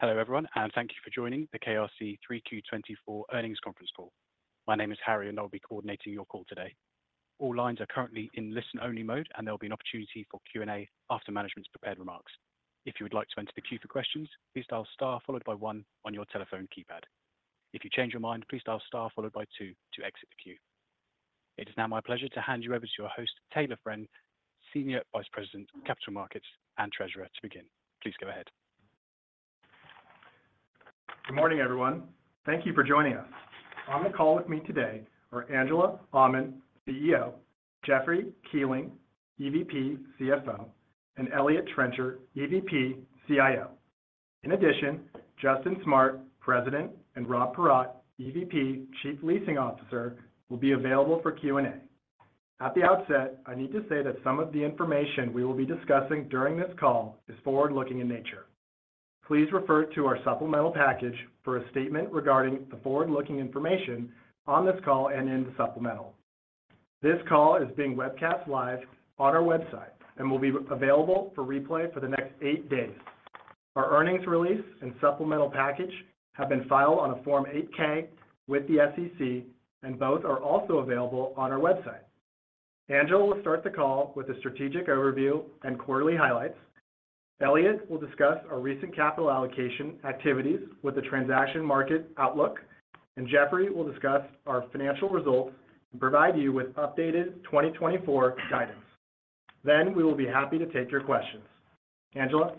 Hello everyone, and thank you for joining the KRC 3Q24 earnings conference call. My name is Harry, and I'll be coordinating your call today. All lines are currently in listen-only mode, and there'll be an opportunity for Q&A after management's prepared remarks. If you would like to enter the queue for questions, please dial star followed by 1 on your telephone keypad. If you change your mind, please dial star followed by 2 to exit the queue. It is now my pleasure to hand you over to your host, Taylor Friend, Senior Vice President, Capital Markets, and Treasurer, to begin. Please go ahead. Good morning, everyone. Thank you for joining us. On the call with me today are Angela Aman, CEO, Jeffrey Kuehling, EVP/CFO, and Eliott Trencher, EVP/CIO. In addition, Justin Smart, President, and Rob Paratte, EVP/Chief Leasing Officer, will be available for Q&A. At the outset, I need to say that some of the information we will be discussing during this call is forward-looking in nature. Please refer to our supplemental package for a statement regarding the forward-looking information on this call and in the supplemental. This call is being webcast live on our website and will be available for replay for the next eight days. Our earnings release and supplemental package have been filed on a Form 8-K with the SEC, and both are also available on our website. Angela will start the call with a strategic overview and quarterly highlights. Eliott will discuss our recent capital allocation activities with the transaction market outlook, and Jeffrey will discuss our financial results and provide you with updated 2024 guidance. Then we will be happy to take your questions. Angela.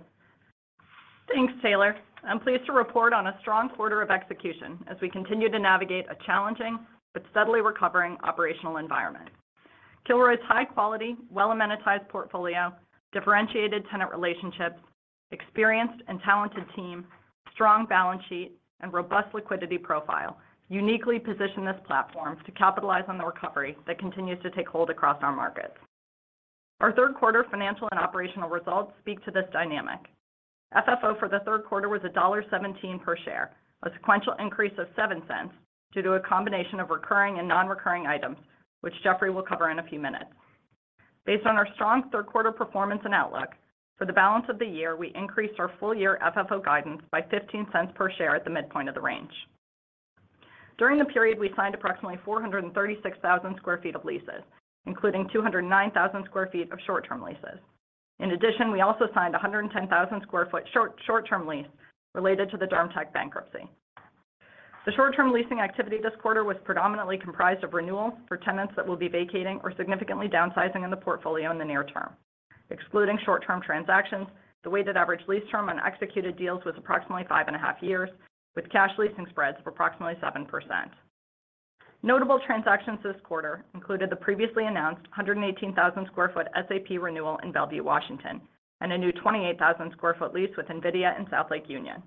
Thanks, Taylor. I'm pleased to report on a strong quarter of execution as we continue to navigate a challenging but steadily recovering operational environment. Kilroy's high-quality, well-amortized portfolio, differentiated tenant relationships, experienced and talented team, strong balance sheet, and robust liquidity profile uniquely position this platform to capitalize on the recovery that continues to take hold across our markets. Our third-quarter financial and operational results speak to this dynamic. FFO for the third quarter was $1.17 per share, a sequential increase of $0.07 due to a combination of recurring and non-recurring items, which Jeffrey will cover in a few minutes. Based on our strong third-quarter performance and outlook, for the balance of the year, we increased our full-year FFO guidance by $0.15 per share at the midpoint of the range. During the period, we signed approximately 436,000 sq ft of leases, including 209,000 sq ft of short-term leases. In addition, we also signed 110,000 sq ft short-term lease related to the DermTech bankruptcy. The short-term leasing activity this quarter was predominantly comprised of renewals for tenants that will be vacating or significantly downsizing in the portfolio in the near term. Excluding short-term transactions, the weighted average lease term on executed deals was approximately five and a half years, with cash leasing spreads of approximately 7%. Notable transactions this quarter included the previously announced 118,000 sq ft SAP renewal in Bellevue, Washington, and a new 28,000 sq ft lease with NVIDIA in South Lake Union.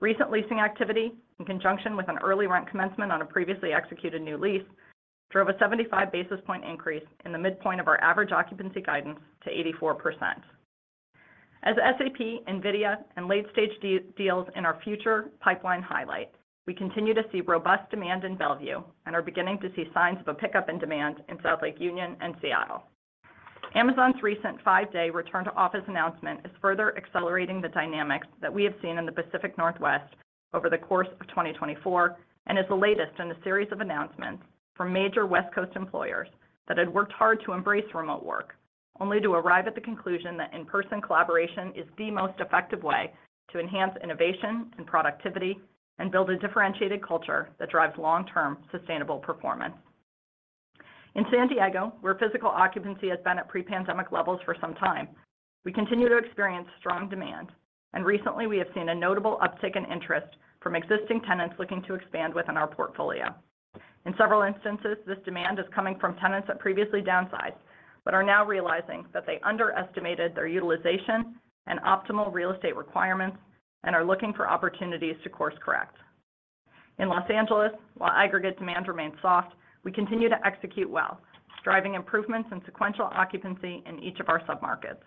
Recent leasing activity, in conjunction with an early rent commencement on a previously executed new lease, drove a 75 basis point increase in the midpoint of our average occupancy guidance to 84%. As SAP, NVIDIA, and late-stage deals in our future pipeline highlight, we continue to see robust demand in Bellevue and are beginning to see signs of a pickup in demand in South Lake Union and Seattle. Amazon's recent five-day return to office announcement is further accelerating the dynamics that we have seen in the Pacific Northwest over the course of 2024 and is the latest in a series of announcements from major West Coast employers that had worked hard to embrace remote work, only to arrive at the conclusion that in-person collaboration is the most effective way to enhance innovation and productivity and build a differentiated culture that drives long-term sustainable performance. In San Diego, where physical occupancy has been at pre-pandemic levels for some time, we continue to experience strong demand, and recently we have seen a notable uptick in interest from existing tenants looking to expand within our portfolio. In several instances, this demand is coming from tenants that previously downsized but are now realizing that they underestimated their utilization and optimal real estate requirements and are looking for opportunities to course correct. In Los Angeles, while aggregate demand remains soft, we continue to execute well, driving improvements in sequential occupancy in each of our submarkets.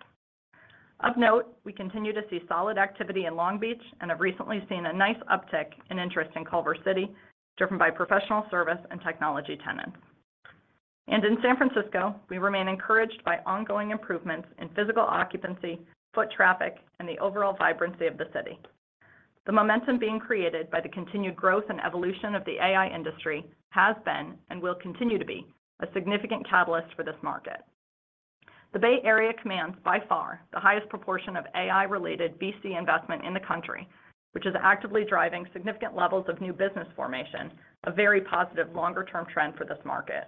Of note, we continue to see solid activity in Long Beach and have recently seen a nice uptick in interest in Culver City, driven by professional service and technology tenants. In San Francisco, we remain encouraged by ongoing improvements in physical occupancy, foot traffic, and the overall vibrancy of the city. The momentum being created by the continued growth and evolution of the AI industry has been and will continue to be a significant catalyst for this market. The Bay Area commands by far the highest proportion of AI-related VC investment in the country, which is actively driving significant levels of new business formation, a very positive longer-term trend for this market.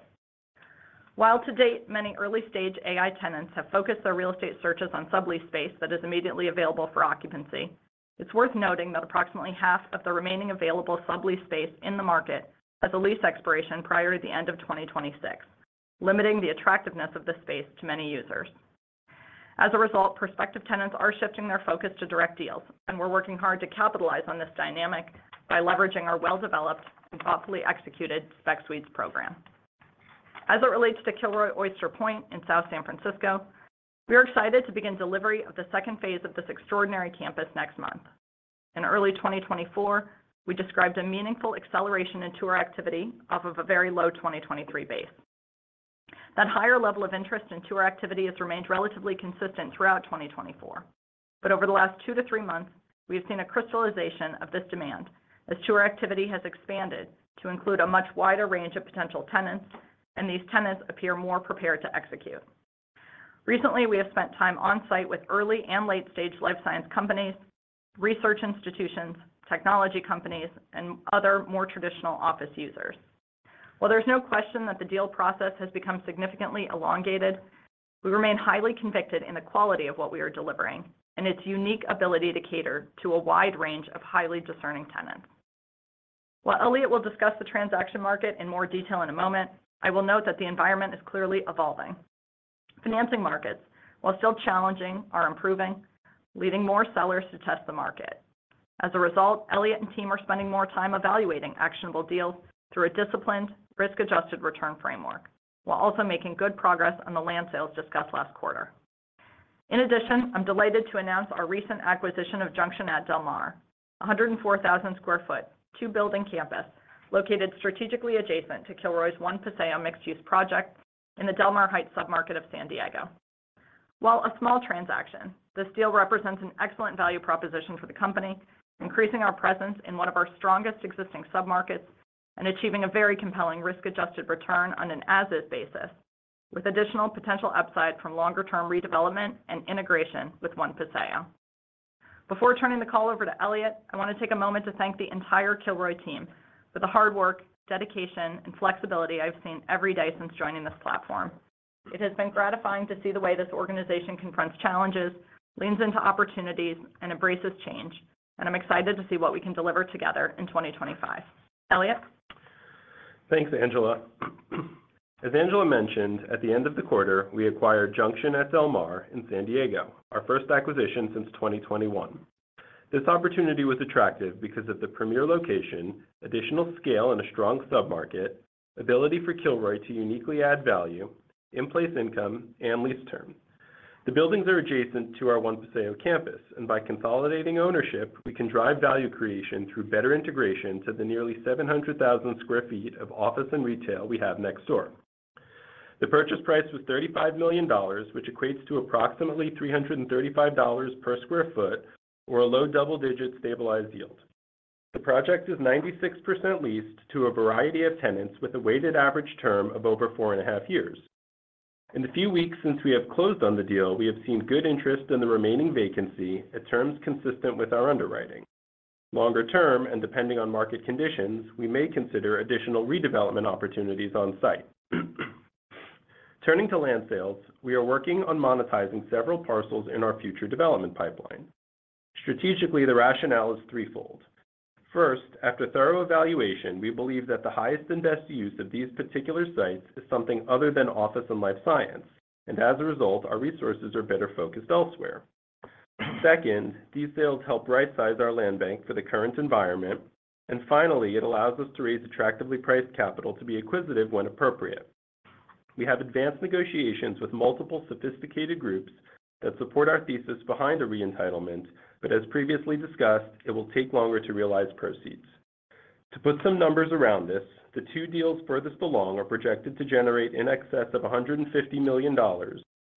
While to date many early-stage AI tenants have focused their real estate searches on sublease space that is immediately available for occupancy, it's worth noting that approximately half of the remaining available sublease space in the market has a lease expiration prior to the end of 2026, limiting the attractiveness of this space to many users. As a result, prospective tenants are shifting their focus to direct deals, and we're working hard to capitalize on this dynamic by leveraging our well-developed and thoughtfully executed spec suites program. As it relates to Kilroy Oyster Point in South San Francisco, we are excited to begin delivery of the second phase of this extraordinary campus next month. In early 2024, we described a meaningful acceleration in tour activity off of a very low 2023 base. That higher level of interest in tour activity has remained relatively consistent throughout 2024, but over the last two to three months, we have seen a crystallization of this demand as tour activity has expanded to include a much wider range of potential tenants, and these tenants appear more prepared to execute. Recently, we have spent time on-site with early and late-stage life science companies, research institutions, technology companies, and other more traditional office users. While there's no question that the deal process has become significantly elongated, we remain highly convicted in the quality of what we are delivering and its unique ability to cater to a wide range of highly discerning tenants. While Eliott will discuss the transaction market in more detail in a moment, I will note that the environment is clearly evolving. Financing markets, while still challenging, are improving, leading more sellers to test the market. As a result, Eliott and team are spending more time evaluating actionable deals through a disciplined, risk-adjusted return framework, while also making good progress on the land sales discussed last quarter. In addition, I'm delighted to announce our recent acquisition of Junction at Del Mar, 104,000 sq ft, two-building campus located strategically adjacent to Kilroy's One Paseo mixed-use project in the Del Mar Heights submarket of San Diego. While a small transaction, this deal represents an excellent value proposition for the company, increasing our presence in one of our strongest existing submarkets and achieving a very compelling risk-adjusted return on an as-is basis, with additional potential upside from longer-term redevelopment and integration with One Paseo. Before turning the call over to Eliott, I want to take a moment to thank the entire Kilroy team for the hard work, dedication, and flexibility I've seen every day since joining this platform. It has been gratifying to see the way this organization confronts challenges, leans into opportunities, and embraces change, and I'm excited to see what we can deliver together in 2025. Eliott? Thanks, Angela. As Angela mentioned, at the end of the quarter, we acquired Junction at Del Mar in San Diego, our first acquisition since 2021. This opportunity was attractive because of the premier location, additional scale, and a strong submarket, ability for Kilroy to uniquely add value, in-place income, and lease term. The buildings are adjacent to our One Paseo campus, and by consolidating ownership, we can drive value creation through better integration to the nearly 700,000 sq ft of office and retail we have next door. The purchase price was $35 million, which equates to approximately $335 per sq ft, or a low double-digit stabilized yield. The project is 96% leased to a variety of tenants with a weighted average term of over four and a half years. In the few weeks since we have closed on the deal, we have seen good interest in the remaining vacancy at terms consistent with our underwriting. Longer term, and depending on market conditions, we may consider additional redevelopment opportunities on-site. Turning to land sales, we are working on monetizing several parcels in our future development pipeline. Strategically, the rationale is threefold. First, after thorough evaluation, we believe that the highest and best use of these particular sites is something other than office and life science, and as a result, our resources are better focused elsewhere. Second, these sales help right-size our land bank for the current environment, and finally, it allows us to raise attractively priced capital to be acquisitive when appropriate. We have advanced negotiations with multiple sophisticated groups that support our thesis behind a re-entitlement, but as previously discussed, it will take longer to realize proceeds. To put some numbers around this, the two deals furthest along are projected to generate in excess of $150 million,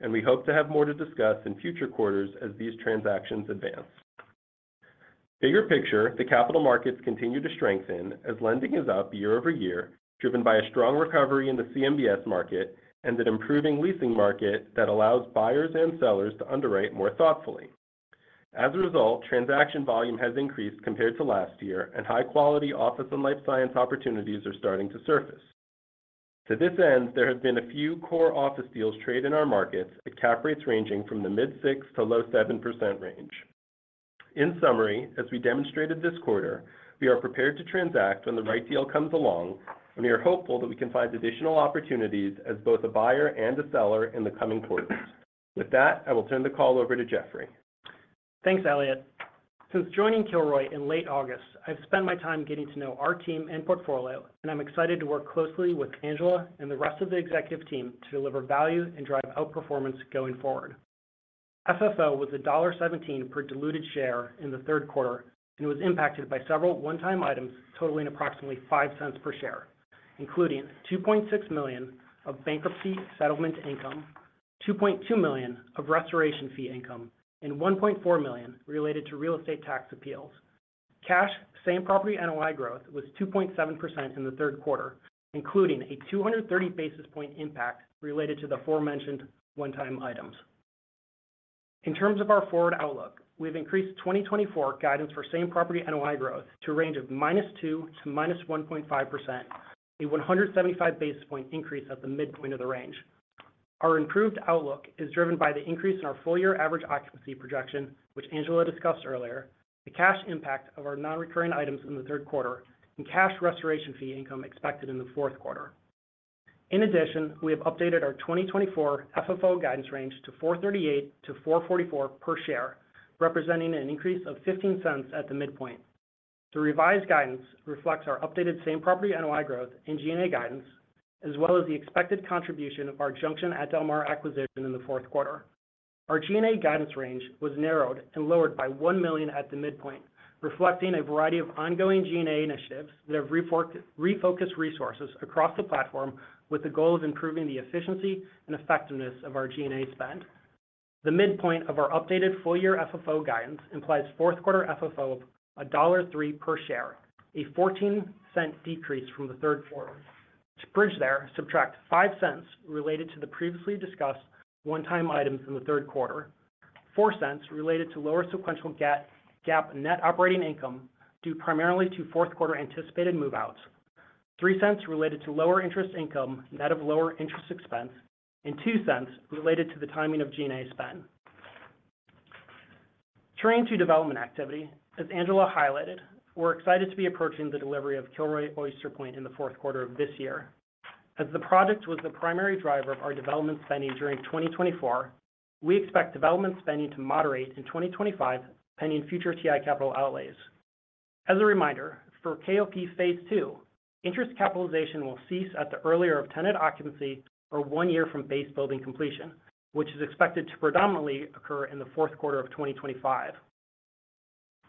and we hope to have more to discuss in future quarters as these transactions advance. Bigger picture, the capital markets continue to strengthen as lending is up year over year, driven by a strong recovery in the CMBS market and an improving leasing market that allows buyers and sellers to underwrite more thoughtfully. As a result, transaction volume has increased compared to last year, and high-quality office and life science opportunities are starting to surface. To this end, there have been a few core office deals traded in our markets at cap rates ranging from the mid-6%-low 7% range. In summary, as we demonstrated this quarter, we are prepared to transact when the right deal comes along, and we are hopeful that we can find additional opportunities as both a buyer and a seller in the coming quarters. With that, I will turn the call over to Jeffrey. Thanks, Eliott. Since joining Kilroy in late August, I've spent my time getting to know our team and portfolio, and I'm excited to work closely with Angela and the rest of the executive team to deliver value and drive outperformance going forward. FFO was $1.17 per diluted share in the third quarter and was impacted by several one-time items totaling approximately $0.05 per share, including $2.6 million of bankruptcy settlement income, $2.2 million of restoration fee income, and $1.4 million related to real estate tax appeals. Cash same property NOI growth was 2.7% in the third quarter, including a 230 basis point impact related to the aforementioned one-time items. In terms of our forward outlook, we have increased 2024 guidance for same property NOI growth to a range of -2% to -1.5%, a 175 basis point increase at the midpoint of the range. Our improved outlook is driven by the increase in our full-year average occupancy projection, which Angela discussed earlier, the cash impact of our non-recurring items in the third quarter, and cash restoration fee income expected in the fourth quarter. In addition, we have updated our 2024 FFO guidance range to $4.38-$4.44 per share, representing an increase of $0.15 at the midpoint. The revised guidance reflects our updated same property NOI growth and G&A guidance, as well as the expected contribution of our Junction at Del Mar acquisition in the fourth quarter. Our G&A guidance range was narrowed and lowered by $1 million at the midpoint, reflecting a variety of ongoing G&A initiatives that have refocused resources across the platform with the goal of improving the efficiency and effectiveness of our G&A spend. The midpoint of our updated full-year FFO guidance implies fourth quarter FFO of $1.03 per share, a $0.14 decrease from the third quarter. To bridge there, subtract $0.05 related to the previously discussed one-time items in the third quarter, $0.04 related to lower sequential GAAP net operating income due primarily to fourth quarter anticipated move-outs, $0.03 related to lower interest income net of lower interest expense, and $0.02 related to the timing of G&A spend. Turning to development activity, as Angela highlighted, we're excited to be approaching the delivery of Kilroy Oyster Point in the fourth quarter of this year. As the project was the primary driver of our development spending during 2024, we expect development spending to moderate in 2025, pending future TI capital outlays. As a reminder, for KOP phase II, interest capitalization will cease at the earlier of tenant occupancy or one year from base building completion, which is expected to predominantly occur in the fourth quarter of 2025.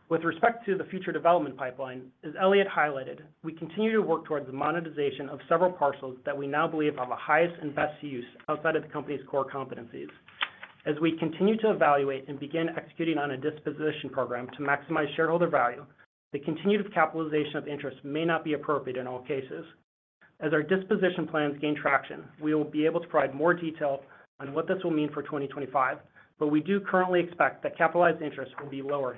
With respect to the future development pipeline, as Eliott highlighted, we continue to work towards the monetization of several parcels that we now believe have the highest and best use outside of the company's core competencies. As we continue to evaluate and begin executing on a disposition program to maximize shareholder value, the continued capitalization of interest may not be appropriate in all cases. As our disposition plans gain traction, we will be able to provide more detail on what this will mean for 2025, but we do currently expect that capitalized interest will be lower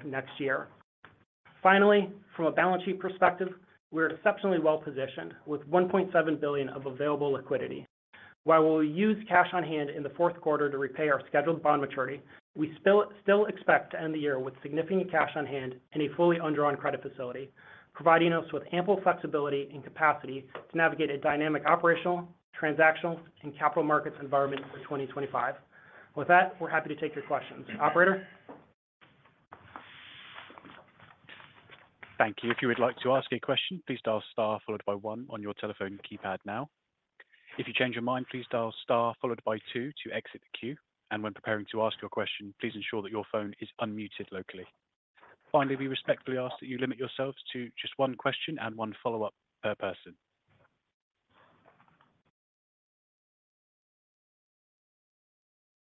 next year. Finally, from a balance sheet perspective, we are exceptionally well positioned with $1.7 billion of available liquidity. While we will use cash on hand in the fourth quarter to repay our scheduled bond maturity, we still expect to end the year with significant cash on hand in a fully underwritten credit facility, providing us with ample flexibility and capacity to navigate a dynamic operational, transactional, and capital markets environment for 2025. With that, we're happy to take your questions. Operator? Thank you. If you would like to ask a question, please dial star followed by 1 on your telephone keypad now. If you change your mind, please dial star followed by 2 to exit the queue, and when preparing to ask your question, please ensure that your phone is unmuted locally. Finally, we respectfully ask that you limit yourselves to just one question and one follow-up per person.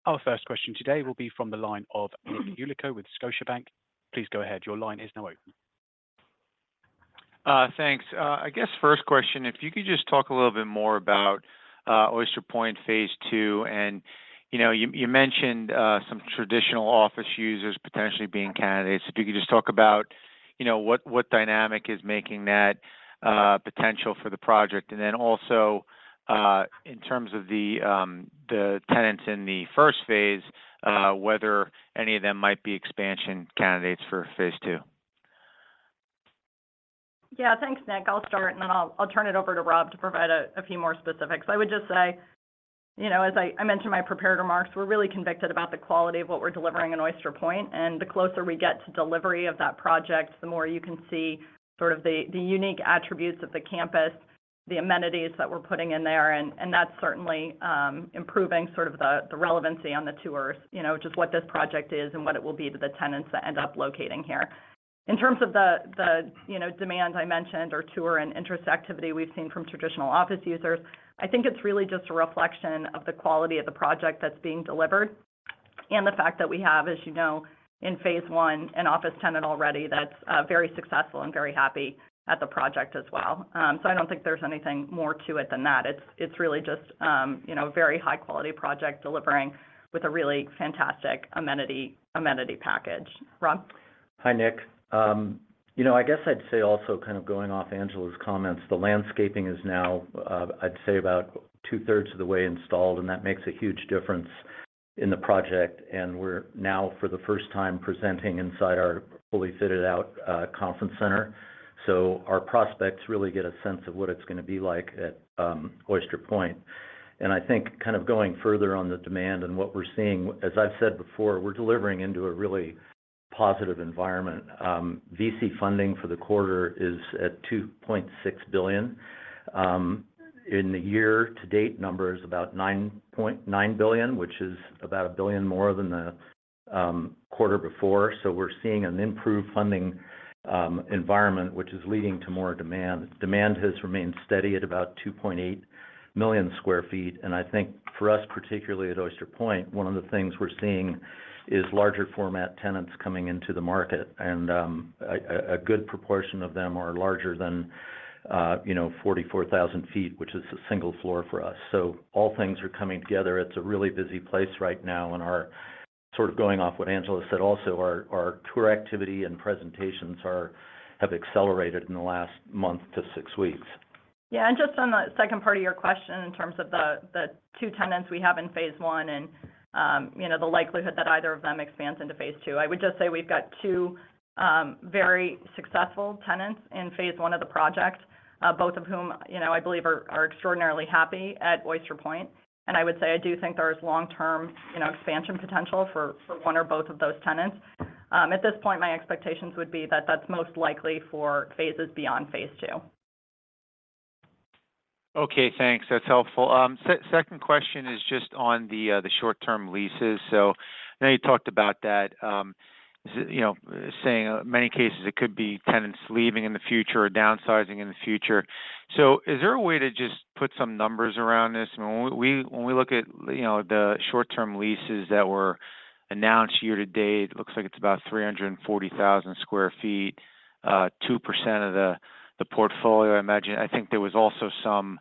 Our first question today will be from the line of Nick Yulico with Scotiabank. Please go ahead. Your line is now open. Thanks. I guess first question, if you could just talk a little bit more about Oyster Point phase II, and you mentioned some traditional office users potentially being candidates. If you could just talk about what dynamic is making that potential for the project, and then also in terms of the tenants in the first phase, whether any of them might be expansion candidates for phase II. Yeah, thanks, Nick. I'll start, and then I'll turn it over to Rob to provide a few more specifics. I would just say, as I mentioned in my prepared remarks, we're really convicted about the quality of what we're delivering in Oyster Point, and the closer we get to delivery of that project, the more you can see sort of the unique attributes of the campus, the amenities that we're putting in there, and that's certainly improving sort of the relevancy on the tours, just what this project is and what it will be to the tenants that end up locating here. In terms of the demands I mentioned or tour and interest activity we've seen from traditional office users, I think it's really just a reflection of the quality of the project that's being delivered and the fact that we have, as you know, in phase I, an office tenant already that's very successful and very happy at the project as well. So I don't think there's anything more to it than that. It's really just a very high-quality project delivering with a really fantastic amenity package. Rob? Hi, Nick. I guess I'd say also kind of going off Angela's comments, the landscaping is now, I'd say, about 2/3 of the way installed, and that makes a huge difference in the project, and we're now, for the first time, presenting inside our fully fitted-out conference center. So our prospects really get a sense of what it's going to be like at Oyster Point. And I think kind of going further on the demand and what we're seeing, as I've said before, we're delivering into a really positive environment. VC funding for the quarter is at $2.6 billion. In the year-to-date number, it's about $9.9 billion, which is about a billion more than the quarter before. So we're seeing an improved funding environment, which is leading to more demand. Demand has remained steady at about 2.8 million sq ft, and I think for us, particularly at Oyster Point, one of the things we're seeing is larger-format tenants coming into the market, and a good proportion of them are larger than 44,000 sq ft, which is a single floor for us. So all things are coming together. It's a really busy place right now, and sort of going off what Angela said also, our tour activity and presentations have accelerated in the last month to six weeks. Yeah, and just on the second part of your question in terms of the two tenants we have in phase I and the likelihood that either of them expands into phase II, I would just say we've got two very successful tenants in phase I of the project, both of whom I believe are extraordinarily happy at Oyster Point, and I would say I do think there is long-term expansion potential for one or both of those tenants. At this point, my expectations would be that that's most likely for phases beyond phase II. Okay, thanks. That's helpful. Second question is just on the short-term leases. So I know you talked about that, saying in many cases it could be tenants leaving in the future or downsizing in the future. So is there a way to just put some numbers around this? When we look at the short-term leases that were announced year to date, it looks like it's about 340,000 sq ft, 2% of the portfolio, I imagine. I think there was also some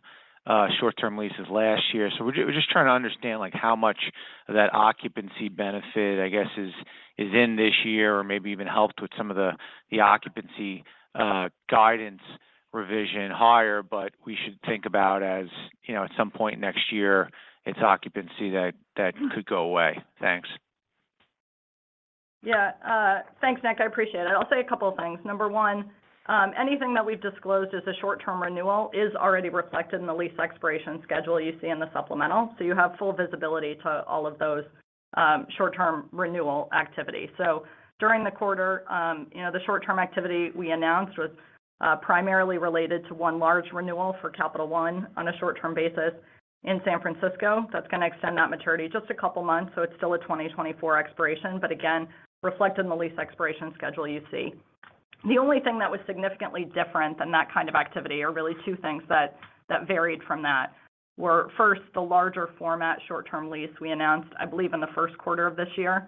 short-term leases last year. So we're just trying to understand how much of that occupancy benefit, I guess, is in this year or maybe even helped with some of the occupancy guidance revision higher, but we should think about as at some point next year, it's occupancy that could go away. Thanks. Yeah, thanks, Nick. I appreciate it. I'll say a couple of things. Number one, anything that we've disclosed as a short-term renewal is already reflected in the lease expiration schedule you see in the supplemental, so you have full visibility to all of those short-term renewal activities. So during the quarter, the short-term activity we announced was primarily related to one large renewal for Capital One on a short-term basis in San Francisco. That's going to extend that maturity just a couple of months, so it's still a 2024 expiration, but again, reflected in the lease expiration schedule you see. The only thing that was significantly different than that kind of activity, or really two things that varied from that, were first the larger-format short-term lease we announced, I believe, in the first quarter of this year,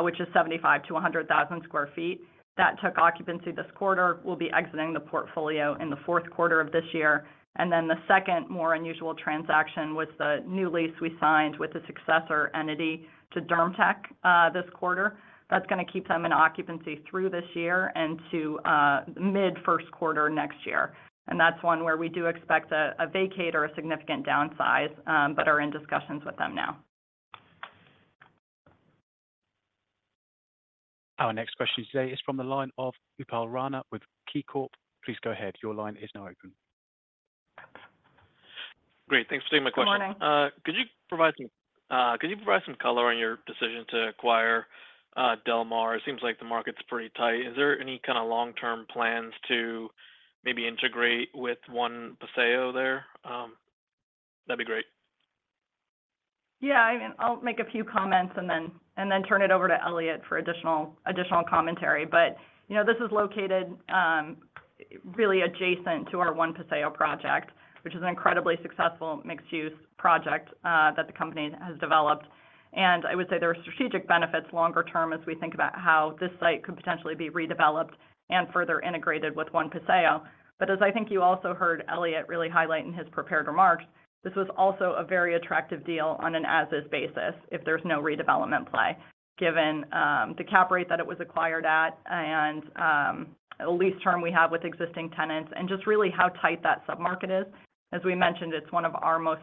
which is 75-100,000 sq ft. That took occupancy this quarter. We'll be exiting the portfolio in the fourth quarter of this year, and then the second more unusual transaction was the new lease we signed with the successor entity to DermTech this quarter. That's going to keep them in occupancy through this year and to mid-first quarter next year, and that's one where we do expect a vacate or a significant downsize, but are in discussions with them now. Our next question today is from the line of Upal Rana with KeyBank. Please go ahead. Your line is now open. Great. Thanks for taking my question. Good morning. Could you provide some color on your decision to acquire Del Mar? It seems like the market's pretty tight. Is there any kind of long-term plans to maybe integrate with One Paseo there? That'd be great. Yeah, I mean, I'll make a few comments and then turn it over to Eliott for additional commentary, but this is located really adjacent to our One Paseo project, which is an incredibly successful mixed-use project that the company has developed, and I would say there are strategic benefits longer term as we think about how this site could potentially be redeveloped and further integrated with One Paseo, but as I think you also heard Eliott really highlight in his prepared remarks, this was also a very attractive deal on an as-is basis if there's no redevelopment play, given the cap rate that it was acquired at and the lease term we have with existing tenants and just really how tight that submarket is. As we mentioned, it's one of our most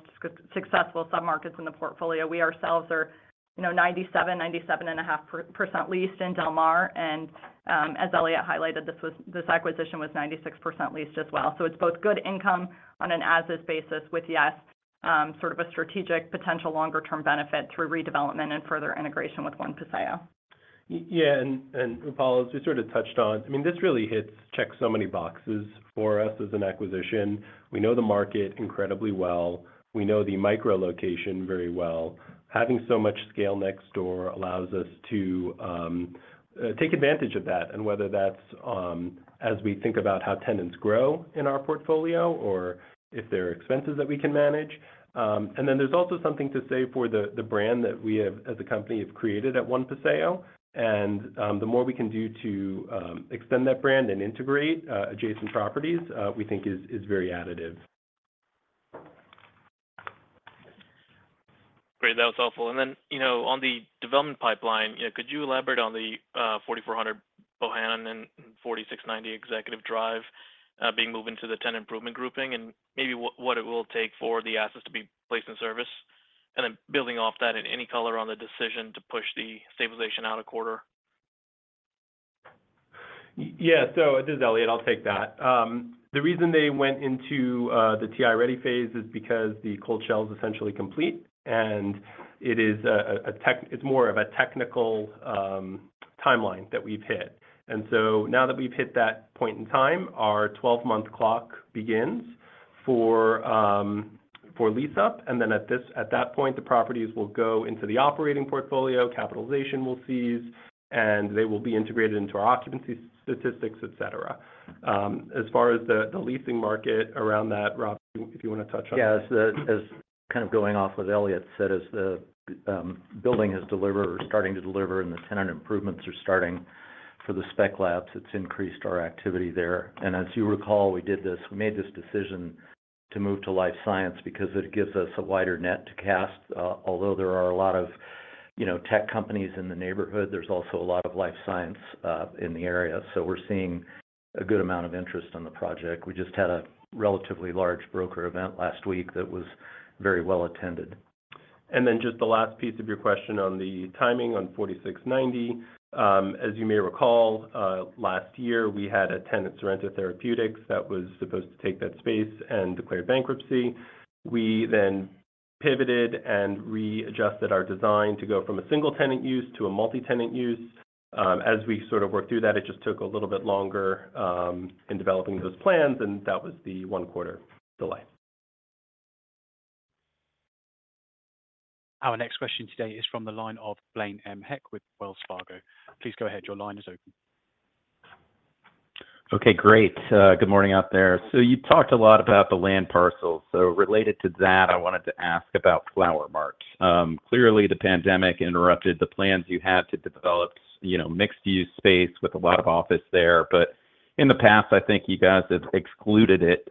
successful submarkets in the portfolio. We ourselves are 97%-97.5% leased in Del Mar, and as Eliott highlighted, this acquisition was 96% leased as well. So it's both good income on an as-is basis with, yes, sort of a strategic potential longer-term benefit through redevelopment and further integration with One Paseo. Yeah, and Upal, as we sort of touched on, I mean, this really checks so many boxes for us as an acquisition. We know the market incredibly well. We know the micro-location very well. Having so much scale next door allows us to take advantage of that, and whether that's as we think about how tenants grow in our portfolio or if there are expenses that we can manage. And then there's also something to say for the brand that we as a company have created at One Paseo, and the more we can do to extend that brand and integrate adjacent properties, we think is very additive. Great. That was helpful. And then on the development pipeline, could you elaborate on the 4400 Bohannon Drive and 4690 Executive Drive being moved into the tenant improvement grouping and maybe what it will take for the assets to be placed in service and then building off that in any color on the decision to push the stabilization out a quarter? Yeah, so this is Eliott. I'll take that. The reason they went into the TI Ready phase is because the cold shell is essentially complete, and it's more of a technical timeline that we've hit. And so now that we've hit that point in time, our 12-month clock begins for lease-up, and then at that point, the properties will go into the operating portfolio, capitalization will cease, and they will be integrated into our occupancy statistics, etc. As far as the leasing market around that, Rob, if you want to touch on that. Yeah, as kind of going off of what Eliott said, as the building has started to deliver and the tenant improvements are starting for the spec labs, it's increased our activity there. And as you recall, we made this decision to move to life science because it gives us a wider net to cast. Although there are a lot of tech companies in the neighborhood, there's also a lot of life science in the area. So we're seeing a good amount of interest on the project. We just had a relatively large broker event last week that was very well attended. And then just the last piece of your question on the timing on 4690. As you may recall, last year, we had a tenant, Sorrento Therapeutics, that was supposed to take that space and declare bankruptcy. We then pivoted and readjusted our design to go from a single-tenant use to a multi-tenant use. As we sort of worked through that, it just took a little bit longer in developing those plans, and that was the one-quarter delay. Our next question today is from the line of Blaine Heck with Wells Fargo. Please go ahead. Your line is open. Okay, great. Good morning out there. So you talked a lot about the land parcels. So related to that, I wanted to ask about Flower Mart. Clearly, the pandemic interrupted the plans you had to develop mixed-use space with a lot of office there, but in the past, I think you guys have excluded it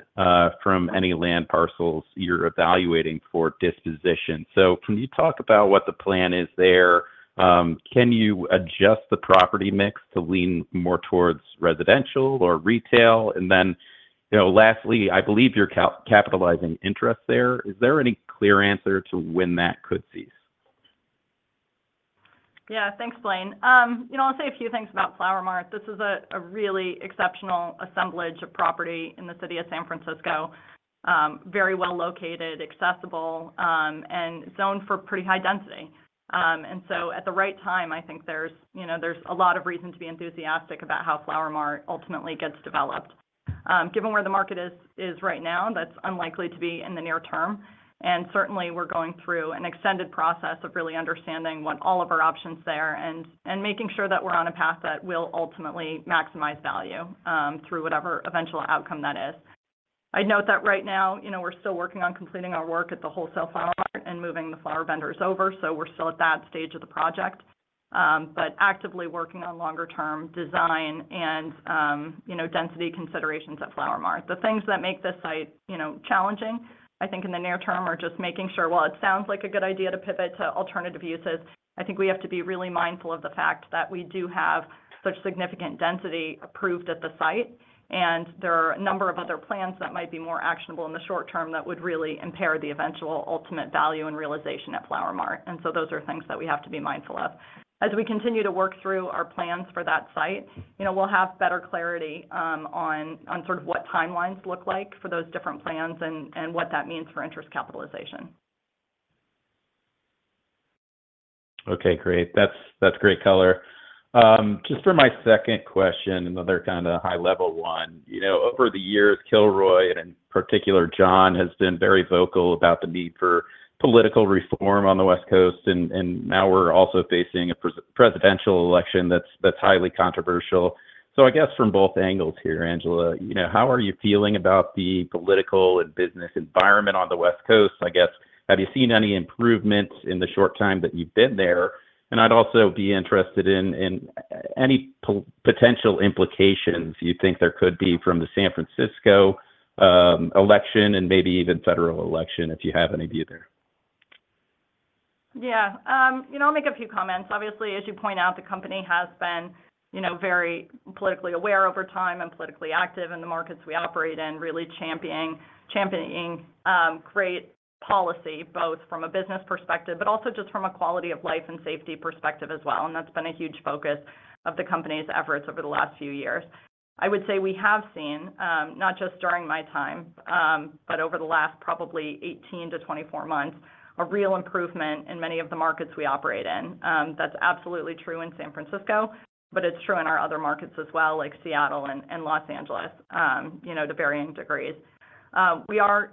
from any land parcels you're evaluating for disposition. So can you talk about what the plan is there? Can you adjust the property mix to lean more towards residential or retail? And then lastly, I believe you're capitalizing interest there. Is there any clear answer to when that could cease? Yeah, thanks, Blaine. I'll say a few things about Flower Mart. This is a really exceptional assemblage of property in the city of San Francisco, very well located, accessible, and zoned for pretty high density, and so at the right time, I think there's a lot of reason to be enthusiastic about how Flower Mart ultimately gets developed. Given where the market is right now, that's unlikely to be in the near term, and certainly, we're going through an extended process of really understanding what all of our options there and making sure that we're on a path that will ultimately maximize value through whatever eventual outcome that is. I'd note that right now, we're still working on completing our work at the wholesale Flower Mart and moving the flower vendors over, so we're still at that stage of the project, but actively working on longer-term design and density considerations at Flower Mart. The things that make this site challenging, I think in the near term, are just making sure, while it sounds like a good idea to pivot to alternative uses, I think we have to be really mindful of the fact that we do have such significant density approved at the site, and there are a number of other plans that might be more actionable in the short term that would really impair the eventual ultimate value and realization at Flower Mart, and so those are things that we have to be mindful of. As we continue to work through our plans for that site, we'll have better clarity on sort of what timelines look like for those different plans and what that means for interest capitalization. Okay, great. That's great color. Just for my second question, another kind of high-level one. Over the years, Kilroy, and in particular, John, has been very vocal about the need for political reform on the West Coast, and now we're also facing a presidential election that's highly controversial. So I guess from both angles here, Angela, how are you feeling about the political and business environment on the West Coast? I guess, have you seen any improvements in the short time that you've been there? And I'd also be interested in any potential implications you think there could be from the San Francisco election and maybe even federal election, if you have any view there. Yeah, I'll make a few comments. Obviously, as you point out, the company has been very politically aware over time and politically active in the markets we operate in, really championing great policy, both from a business perspective, but also just from a quality of life and safety perspective as well. And that's been a huge focus of the company's efforts over the last few years. I would say we have seen, not just during my time, but over the last probably 18-24 months, a real improvement in many of the markets we operate in. That's absolutely true in San Francisco, but it's true in our other markets as well, like Seattle and Los Angeles, to varying degrees. We are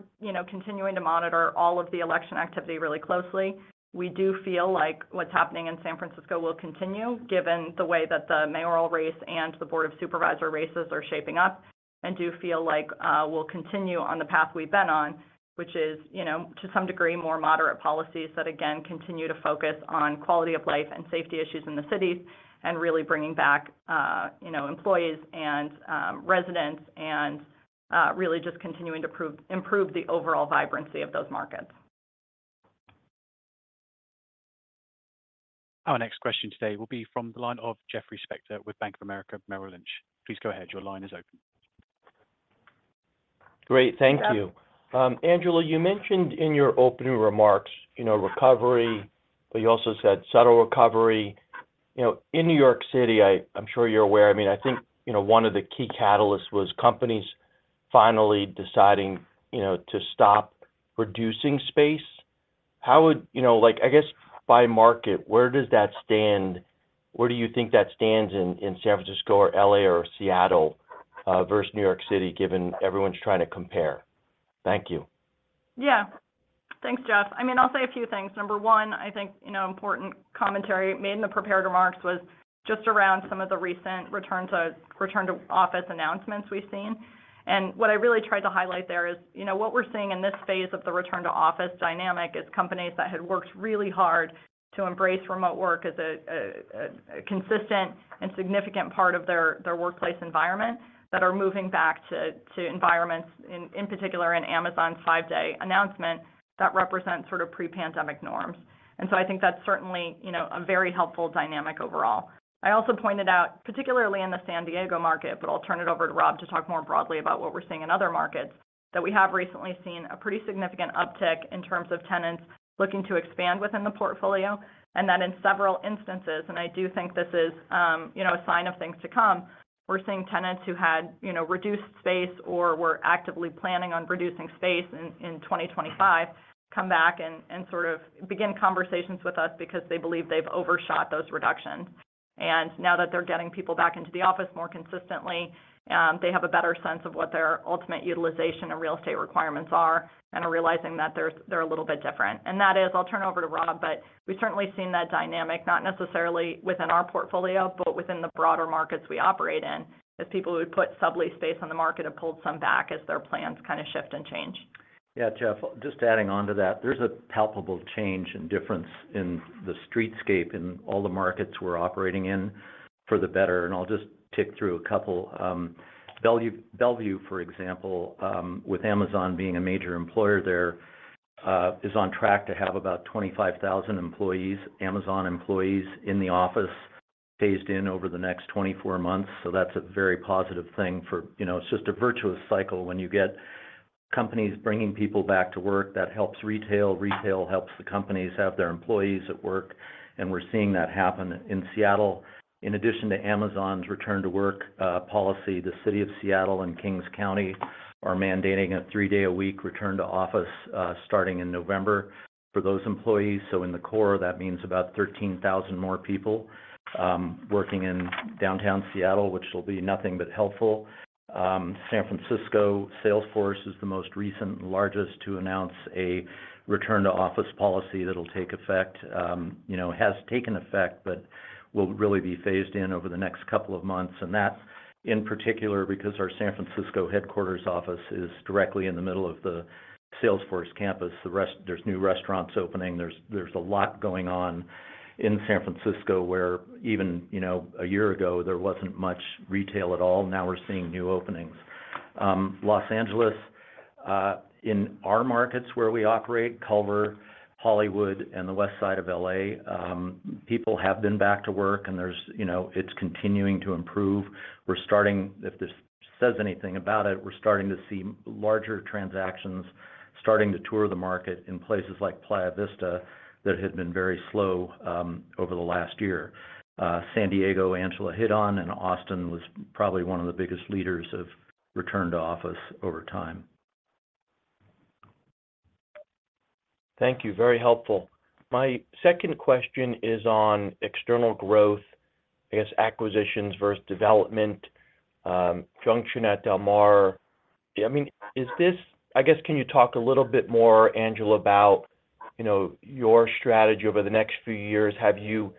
continuing to monitor all of the election activity really closely. We do feel like what's happening in San Francisco will continue, given the way that the mayoral race and the Board of Supervisors races are shaping up, and do feel like we'll continue on the path we've been on, which is, to some degree, more moderate policies that, again, continue to focus on quality of life and safety issues in the cities and really bringing back employees and residents and really just continuing to improve the overall vibrancy of those markets. Our next question today will be from the line of Jeffrey Spector with Bank of America Merrill Lynch. Please go ahead. Your line is open. Great. Thank you. Angela, you mentioned in your opening remarks recovery, but you also said subtle recovery. In New York City, I'm sure you're aware. I mean, I think one of the key catalysts was companies finally deciding to stop producing space. How would, I guess, by market, where does that stand? Where do you think that stands in San Francisco or LA or Seattle versus New York City, given everyone's trying to compare? Thank you. Yeah. Thanks, Jeff. I mean, I'll say a few things. Number one, I think important commentary made in the prepared remarks was just around some of the recent return-to-office announcements we've seen. And what I really tried to highlight there is what we're seeing in this phase of the return-to-office dynamic is companies that had worked really hard to embrace remote work as a consistent and significant part of their workplace environment that are moving back to environments, in particular, in Amazon's five-day announcement that represents sort of pre-pandemic norms. And so I think that's certainly a very helpful dynamic overall. I also pointed out, particularly in the San Diego market, but I'll turn it over to Rob to talk more broadly about what we're seeing in other markets, that we have recently seen a pretty significant uptick in terms of tenants looking to expand within the portfolio, and that in several instances, and I do think this is a sign of things to come, we're seeing tenants who had reduced space or were actively planning on reducing space in 2025 come back and sort of begin conversations with us because they believe they've overshot those reductions, and now that they're getting people back into the office more consistently, they have a better sense of what their ultimate utilization and real estate requirements are and are realizing that they're a little bit different. That is, I'll turn it over to Rob, but we've certainly seen that dynamic, not necessarily within our portfolio, but within the broader markets we operate in, as people who put sublease space on the market have pulled some back as their plans kind of shift and change. Yeah, Jeff, just adding on to that, there's a palpable change and difference in the streetscape in all the markets we're operating in for the better, and I'll just tick through a couple. Bellevue, for example, with Amazon being a major employer there, is on track to have about 25,000 employees, Amazon employees, in the office phased in over the next 24 months. That's a very positive thing. It's just a virtuous cycle when you get companies bringing people back to work. That helps retail. Retail helps the companies have their employees at work, and we're seeing that happen in Seattle. In addition to Amazon's return-to-work policy, the city of Seattle and King County are mandating a three-day-a-week return-to-office starting in November for those employees. In the core, that means about 13,000 more people working in downtown Seattle, which will be nothing but helpful. San Francisco, Salesforce is the most recent and largest to announce a return-to-office policy that will take effect, has taken effect, but will really be phased in over the next couple of months. That's in particular because our San Francisco headquarters office is directly in the middle of the Salesforce campus. There's new restaurants opening. There's a lot going on in San Francisco where even a year ago, there wasn't much retail at all. Now we're seeing new openings. Los Angeles, in our markets where we operate, Culver, Hollywood, and the west side of LA, people have been back to work, and it's continuing to improve. If this says anything about it, we're starting to see larger transactions starting to tour the market in places like Playa Vista that had been very slow over the last year. San Diego, Angela hit on, and Austin was probably one of the biggest leaders of return-to-office over time. Thank you. Very helpful. My second question is on external growth, I guess, acquisitions versus development, Junction at Del Mar. I mean, I guess can you talk a little bit more, Angela, about your strategy over the next few years? Have you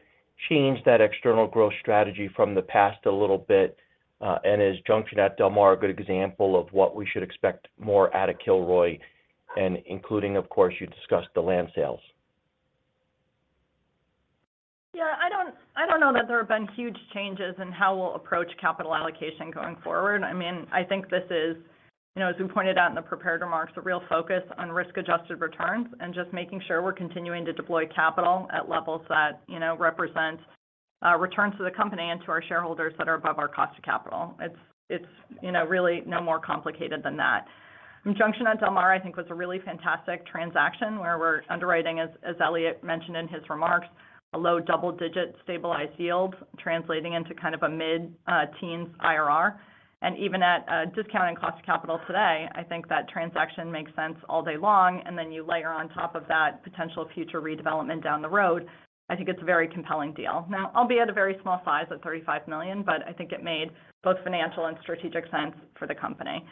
changed that external growth strategy from the past a little bit? And is Junction at Del Mar a good example of what we should expect more out of Kilroy? And including, of course, you discussed the land sales. Yeah, I don't know that there have been huge changes in how we'll approach capital allocation going forward. I mean, I think this is, as we pointed out in the prepared remarks, a real focus on risk-adjusted returns and just making sure we're continuing to deploy capital at levels that represent returns to the company and to our shareholders that are above our cost of capital. It's really no more complicated than that. Junction at Del Mar, I think, was a really fantastic transaction where we're underwriting, as Eliott mentioned in his remarks, a low double-digit stabilized yield, translating into kind of a mid-teens IRR. And even at a discount in cost of capital today, I think that transaction makes sense all day long. And then you layer on top of that potential future redevelopment down the road, I think it's a very compelling deal. Now, I'll be at a very small size at $35 million, but I think it made both financial and strategic sense for the company.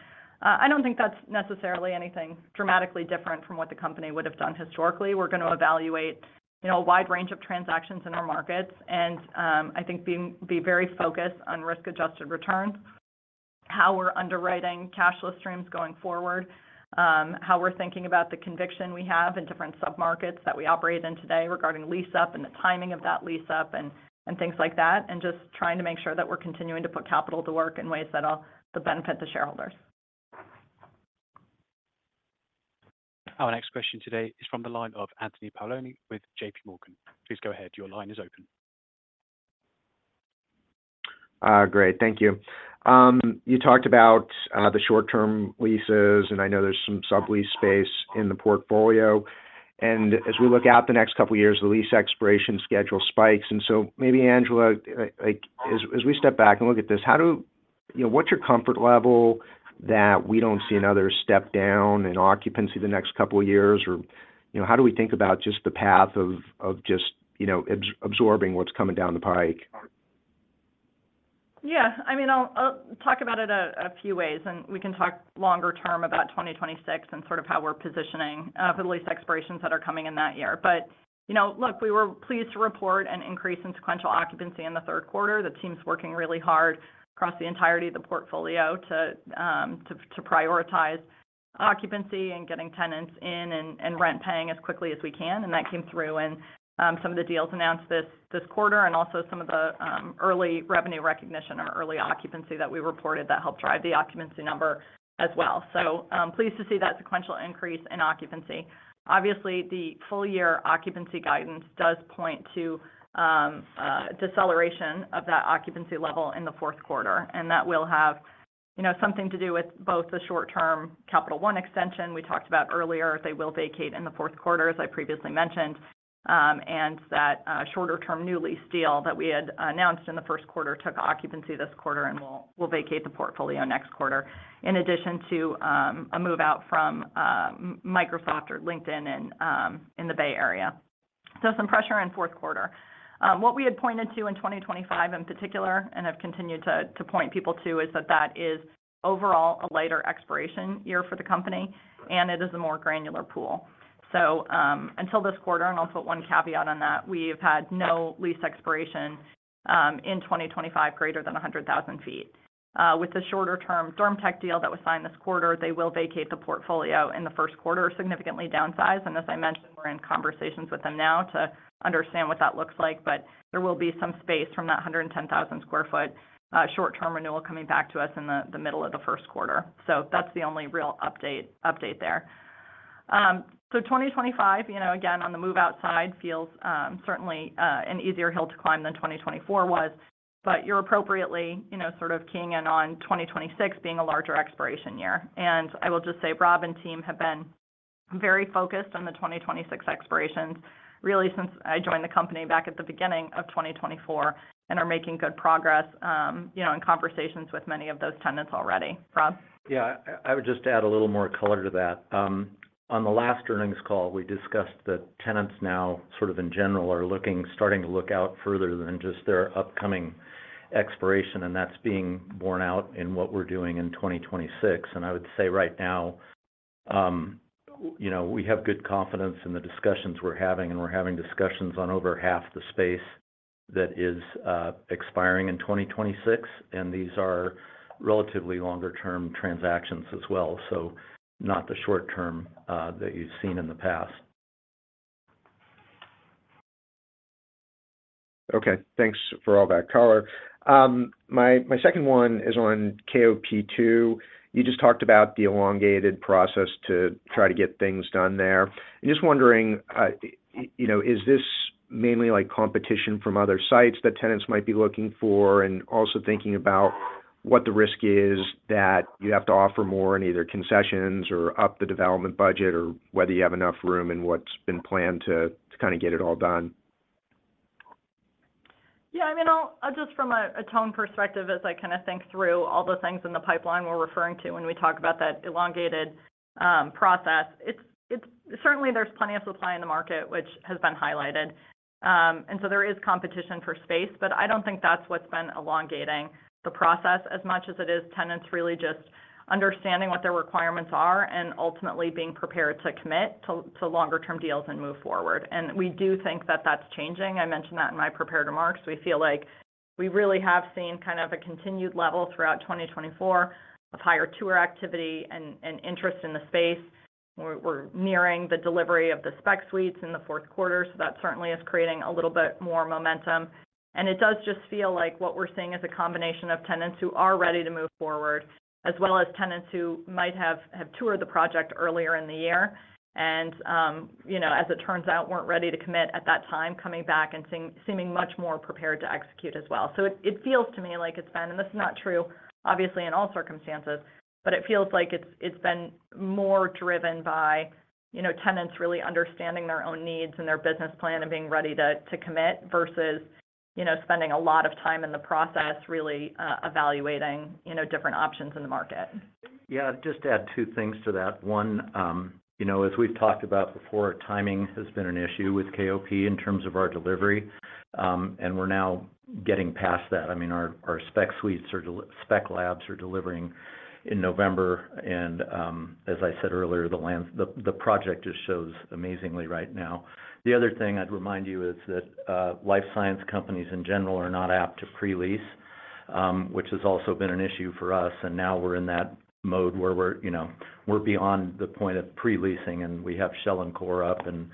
I don't think that's necessarily anything dramatically different from what the company would have done historically. We're going to evaluate a wide range of transactions in our markets, and I think be very focused on risk-adjusted returns, how we're underwriting cash flow streams going forward, how we're thinking about the conviction we have in different sub-markets that we operate in today regarding lease-up and the timing of that lease-up and things like that, and just trying to make sure that we're continuing to put capital to work in ways that'll benefit the shareholders. Our next question today is from the line of Anthony Paolone with JPMorgan. Please go ahead. Your line is open. Great. Thank you. You talked about the short-term leases, and I know there's some sublease space in the portfolio. And as we look out the next couple of years, the lease expiration schedule spikes. And so maybe, Angela, as we step back and look at this, what's your comfort level that we don't see another step down in occupancy the next couple of years? Or how do we think about just the path of just absorbing what's coming down the pike? Yeah. I mean, I'll talk about it a few ways, and we can talk longer term about 2026 and sort of how we're positioning for the lease expirations that are coming in that year. But look, we were pleased to report an increase in sequential occupancy in the third quarter. The team's working really hard across the entirety of the portfolio to prioritize occupancy and getting tenants in and rent-paying as quickly as we can. And that came through in some of the deals announced this quarter and also some of the early revenue recognition or early occupancy that we reported that helped drive the occupancy number as well. So pleased to see that sequential increase in occupancy. Obviously, the full-year occupancy guidance does point to a deceleration of that occupancy level in the fourth quarter. That will have something to do with both the short-term Capital One extension we talked about earlier. They will vacate in the fourth quarter, as I previously mentioned, and that shorter-term new lease deal that we had announced in the first quarter took occupancy this quarter, and we'll vacate the portfolio next quarter, in addition to a move-out from Microsoft or LinkedIn in the Bay Area, so some pressure in fourth quarter. What we had pointed to in 2025 in particular, and have continued to point people to, is that that is overall a lighter expiration year for the company, and it is a more granular pool. Until this quarter, and I'll put one caveat on that, we've had no lease expiration in 2025 greater than 100,000 feet. With the shorter-term DermTech deal that was signed this quarter, they will vacate the portfolio in the first quarter, significantly downsized, and as I mentioned, we're in conversations with them now to understand what that looks like, but there will be some space from that 110,000 sq ft short-term renewal coming back to us in the middle of the first quarter, so that's the only real update there, so 2025, again, on the move-out side, feels certainly an easier hill to climb than 2024 was, but you're appropriately sort of keying in on 2026 being a larger expiration year, and I will just say Rob and team have been very focused on the 2026 expirations, really, since I joined the company back at the beginning of 2024, and are making good progress in conversations with many of those tenants already. Rob? Yeah. I would just add a little more color to that. On the last earnings call, we discussed that tenants now, sort of in general, are starting to look out further than just their upcoming expiration, and that's being borne out in what we're doing in 2026. And I would say right now, we have good confidence in the discussions we're having, and we're having discussions on over half the space that is expiring in 2026. And these are relatively longer-term transactions as well, so not the short-term that you've seen in the past. Okay. Thanks for all that colour. My second one is on KOP 2. You just talked about the elongated process to try to get things done there. I'm just wondering, is this mainly competition from other sites that tenants might be looking for, and also thinking about what the risk is that you have to offer more in either concessions or up the development budget, or whether you have enough room and what's been planned to kind of get it all done? Yeah. I mean, just from a tone perspective, as I kind of think through all the things in the pipeline we're referring to when we talk about that elongated process, certainly there's plenty of supply in the market, which has been highlighted. And so there is competition for space, but I don't think that's what's been elongating the process as much as it is tenants really just understanding what their requirements are and ultimately being prepared to commit to longer-term deals and move forward. And we do think that that's changing. I mentioned that in my prepared remarks. We feel like we really have seen kind of a continued level throughout 2024 of higher tour activity and interest in the space. We're nearing the delivery of the spec suites in the fourth quarter, so that certainly is creating a little bit more momentum. And it does just feel like what we're seeing is a combination of tenants who are ready to move forward, as well as tenants who might have toured the project earlier in the year, and as it turns out, weren't ready to commit at that time, coming back and seeming much more prepared to execute as well. So it feels to me like it's been, and this is not true, obviously, in all circumstances, but it feels like it's been more driven by tenants really understanding their own needs and their business plan and being ready to commit versus spending a lot of time in the process really evaluating different options in the market. Yeah. Just to add two things to that. One, as we've talked about before, timing has been an issue with KOP in terms of our delivery, and we're now getting past that. I mean, our spec suites or spec labs are delivering in November. And as I said earlier, the project just shows amazingly right now. The other thing I'd remind you is that life science companies, in general, are not apt to pre-lease, which has also been an issue for us. And now we're in that mode where we're beyond the point of pre-leasing, and we have shell and core up and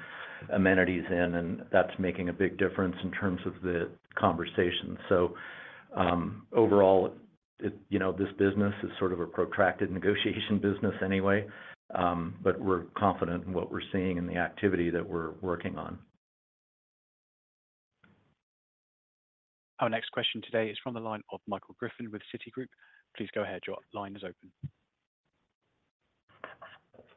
amenities in, and that's making a big difference in terms of the conversation. So overall, this business is sort of a protracted negotiation business anyway, but we're confident in what we're seeing and the activity that we're working on. Our next question today is from the line of Michael Griffin with Citigroup. Please go ahead. Your line is open.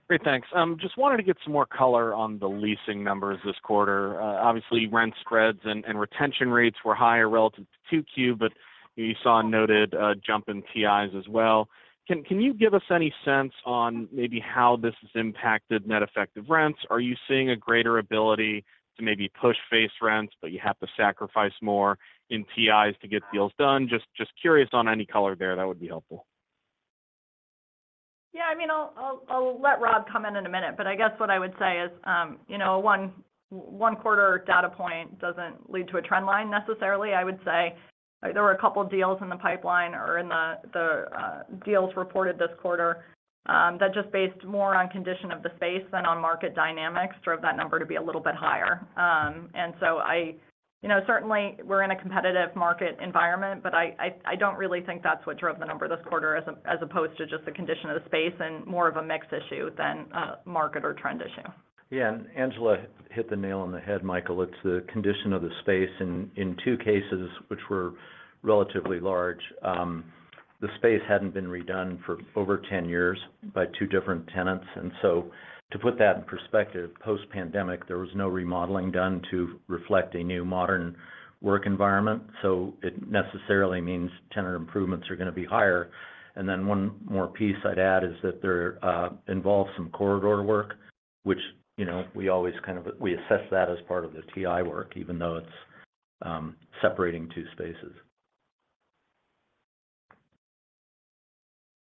Great. Thanks. Just wanted to get some more color on the leasing numbers this quarter. Obviously, rent spreads and retention rates were higher relative to 2Q, but you saw a noted jump in TIs as well. Can you give us any sense on maybe how this has impacted net effective rents? Are you seeing a greater ability to maybe push face rents, but you have to sacrifice more in TIs to get deals done? Just curious on any color there. That would be helpful. Yeah. I mean, I'll let Rob comment in a minute, but I guess what I would say is one quarter data point doesn't lead to a trend line necessarily. I would say there were a couple of deals in the pipeline or in the deals reported this quarter that just based more on condition of the space than on market dynamics drove that number to be a little bit higher. And so certainly, we're in a competitive market environment, but I don't really think that's what drove the number this quarter as opposed to just the condition of the space and more of a mixed issue than a market or trend issue. Yeah. And Angela hit the nail on the head, Michael. It's the condition of the space. In two cases, which were relatively large, the space hadn't been redone for over 10 years by two different tenants. And so to put that in perspective, post-pandemic, there was no remodeling done to reflect a new modern work environment. So it necessarily means tenant improvements are going to be higher. And then one more piece I'd add is that there involves some corridor work, which we always kind of assess that as part of the TI work, even though it's separating two spaces.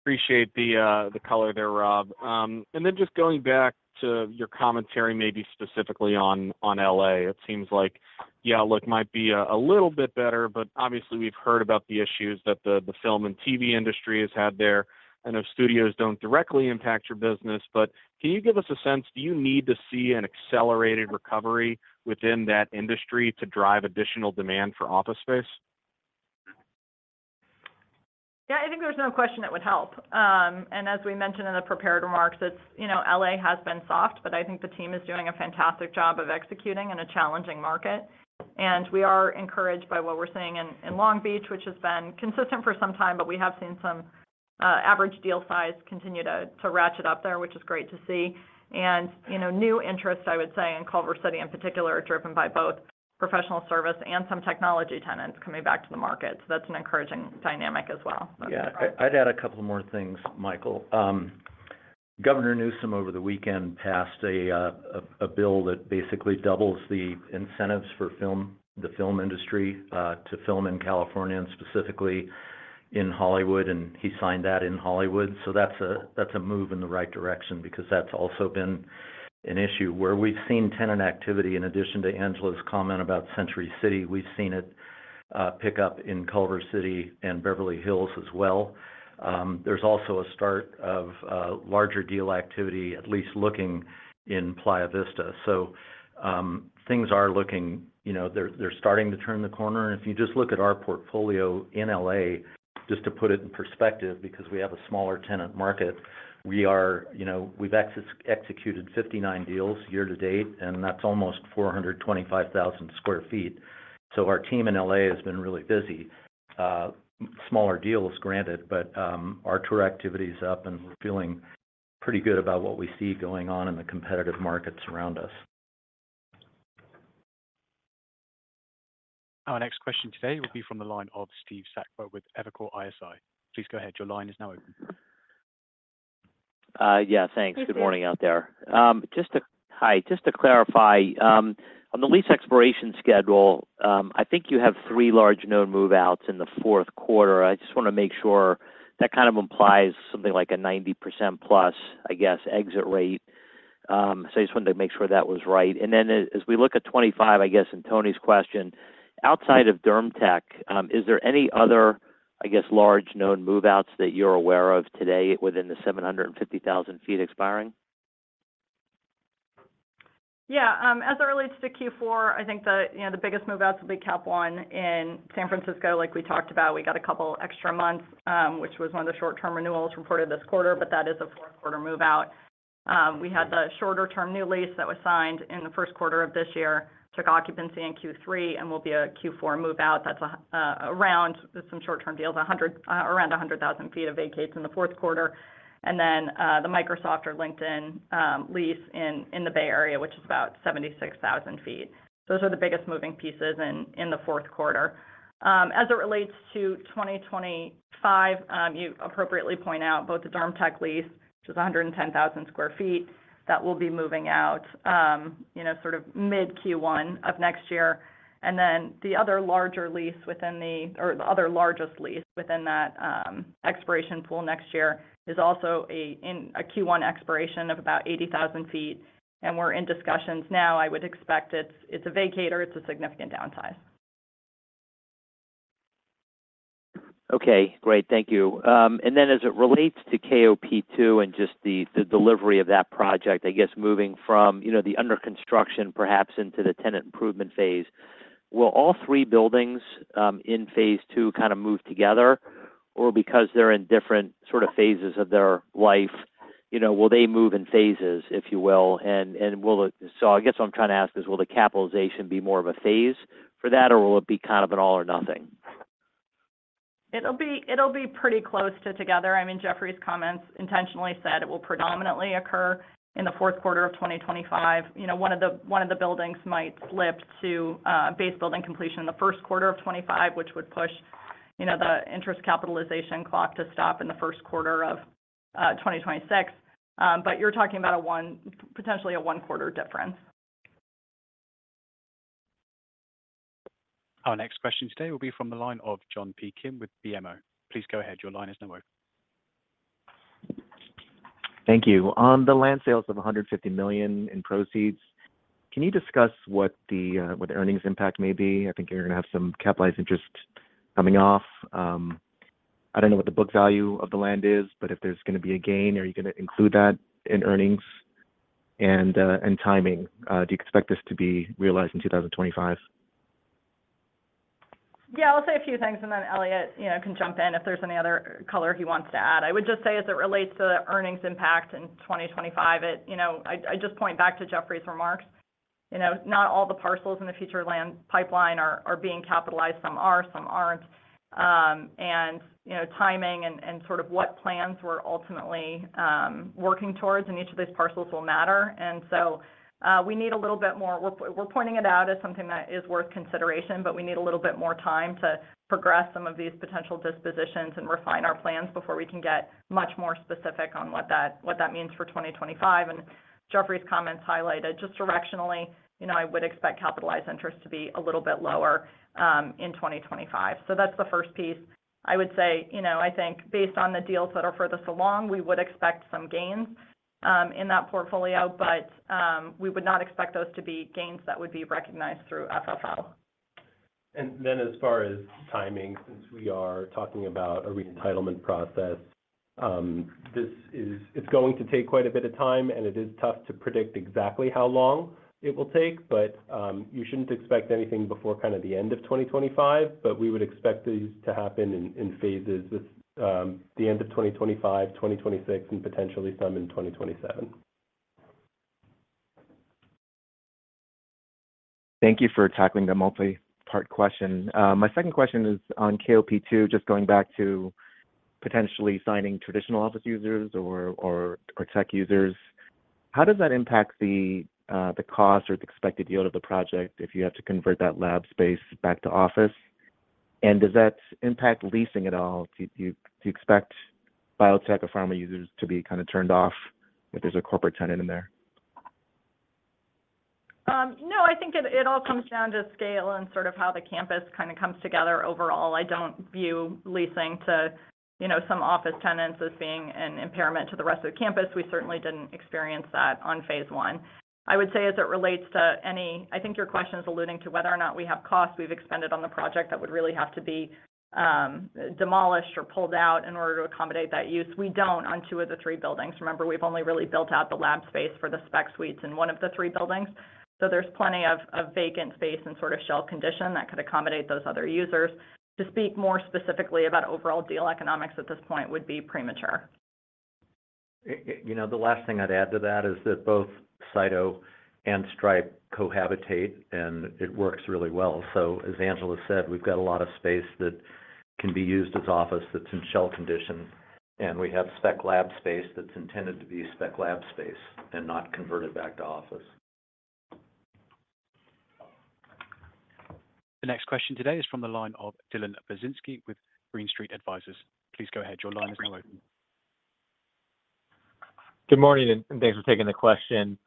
Appreciate the color there, Rob. And then just going back to your commentary maybe specifically on LA, it seems like, yeah, look, might be a little bit better, but obviously, we've heard about the issues that the film and TV industry has had there. I know studios don't directly impact your business, but can you give us a sense? Do you need to see an accelerated recovery within that industry to drive additional demand for office space? Yeah. I think there's no question it would help, and as we mentioned in the prepared remarks, LA has been soft, but I think the team is doing a fantastic job of executing in a challenging market, and we are encouraged by what we're seeing in Long Beach, which has been consistent for some time, but we have seen some average deal size continue to ratchet up there, which is great to see, and new interest, I would say, in Culver City in particular, driven by both professional service and some technology tenants coming back to the market. So that's an encouraging dynamic as well. Yeah. I'd add a couple more things, Michael. Governor Newsom over the weekend passed a bill that basically doubles the incentives for the film industry to film in California and specifically in Hollywood, and he signed that in Hollywood. So that's a move in the right direction because that's also been an issue where we've seen tenant activity. In addition to Angela's comment about Century City, we've seen it pick up in Culver City and Beverly Hills as well. There's also a start of larger deal activity, at least looking in Playa Vista. So things are looking, they're starting to turn the corner, and if you just look at our portfolio in LA, just to put it in perspective, because we have a smaller tenant market, we've executed 59 deals year to date, and that's almost 425,000 sq ft. So our team in LA has been really busy. Smaller deals, granted, but our tour activity is up, and we're feeling pretty good about what we see going on in the competitive markets around us. Our next question today will be from the line of Steve Sakwa with Evercore ISI. Please go ahead. Your line is now open. Yeah. Thanks. Good morning out there. Hi. Just to clarify, on the lease expiration schedule, I think you have three large known move-outs in the fourth quarter. I just want to make sure that kind of implies something like a 90%+, I guess, exit rate. So I just wanted to make sure that was right. And then as we look at 25, I guess, in Tony's question, outside of DermTech, is there any other, I guess, large known move-outs that you're aware of today within the 750,000 feet expiring? Yeah. As it relates to Q4, I think the biggest move-outs will be Capital One in San Francisco. Like we talked about, we got a couple extra months, which was one of the short-term renewals reported this quarter, but that is a fourth-quarter move-out. We had the shorter-term new lease that was signed in the first quarter of this year, took occupancy in Q3, and will be a Q4 move-out. That's around some short-term deals, around 100,000 sq ft of vacates in the fourth quarter. And then the Microsoft or LinkedIn lease in the Bay Area, which is about 76,000 sq ft. Those are the biggest moving pieces in the fourth quarter. As it relates to 2025, you appropriately point out both the DermTech lease, which is 110,000 sq ft, that will be moving out sort of mid-Q1 of next year. And then the other larger lease within the—or the other largest lease within that expiration pool next year is also a Q1 expiration of about 80,000 sq ft. And we're in discussions now. I would expect it's a vacator. It's a significant downsize. Okay. Great. Thank you. And then as it relates to KOP 2 and just the delivery of that project, I guess moving from the under construction perhaps into the tenant improvement phase, will all three buildings in phase II kind of move together, or because they're in different sort of phases of their life, will they move in phases, if you will? And so I guess what I'm trying to ask is, will the capitalization be more of a phase for that, or will it be kind of an all or nothing? It'll be pretty close to together. I mean, Jeffrey's comments intentionally said it will predominantly occur in the fourth quarter of 2025. One of the buildings might slip to base building completion in the first quarter of 2025, which would push the interest capitalization clock to stop in the first quarter of 2026. But you're talking about potentially a one-quarter difference. Our next question today will be from the line of John P. Kim with BMO. Please go ahead. Your line is now open. Thank you. On the land sales of $150 million in proceeds, can you discuss what the earnings impact may be? I think you're going to have some capitalized interest coming off. I don't know what the book value of the land is, but if there's going to be a gain, are you going to include that in earnings and timing? Do you expect this to be realized in 2025? Yeah. I'll say a few things, and then Eliott can jump in if there's any other color he wants to add. I would just say as it relates to the earnings impact in 2025, I just point back to Jeffrey's remarks. Not all the parcels in the future land pipeline are being capitalized. Some are, some aren't. Timing and sort of what plans we're ultimately working towards in each of these parcels will matter, and so we need a little bit more. We're pointing it out as something that is worth consideration, but we need a little bit more time to progress some of these potential dispositions and refine our plans before we can get much more specific on what that means for 2025, and Jeffrey's comments highlighted just directionally, I would expect capitalized interest to be a little bit lower in 2025, so that's the first piece. I would say, I think based on the deals that are furthest along, we would expect some gains in that portfolio, but we would not expect those to be gains that would be recognized through FFO. As far as timing, since we are talking about a reentitlement process, it's going to take quite a bit of time, and it is tough to predict exactly how long it will take, but you shouldn't expect anything before kind of the end of 2025, but we would expect these to happen in phases with the end of 2025, 2026, and potentially some in 2027. Thank you for tackling the multi-part question. My second question is on KOP 2, just going back to potentially signing traditional office users or tech users. How does that impact the cost or the expected yield of the project if you have to convert that lab space back to office? And does that impact leasing at all? Do you expect biotech or pharma users to be kind of turned off if there's a corporate tenant in there? No. I think it all comes down to scale and sort of how the campus kind of comes together overall. I don't view leasing to some office tenants as being an impairment to the rest of the campus. We certainly didn't experience that on phase I. I would say as it relates to any. I think your question is alluding to whether or not we have costs we've expended on the project that would really have to be demolished or pulled out in order to accommodate that use. We don't on two of the three buildings. Remember, we've only really built out the lab space for the spec suites in one of the three buildings. So there's plenty of vacant space and sort of shell condition that could accommodate those other users. To speak more specifically about overall deal economics at this point would be premature. The last thing I'd add to that is that both Cyto and Stripe cohabitate, and it works really well. So as Angela said, we've got a lot of space that can be used as office that's in shell condition, and we have spec lab space that's intended to be spec lab space and not converted back to office. The next question today is from the line of Dylan Burzinski with Green Street Advisors. Please go ahead. Your line is now open. Good morning, and thanks for taking the question.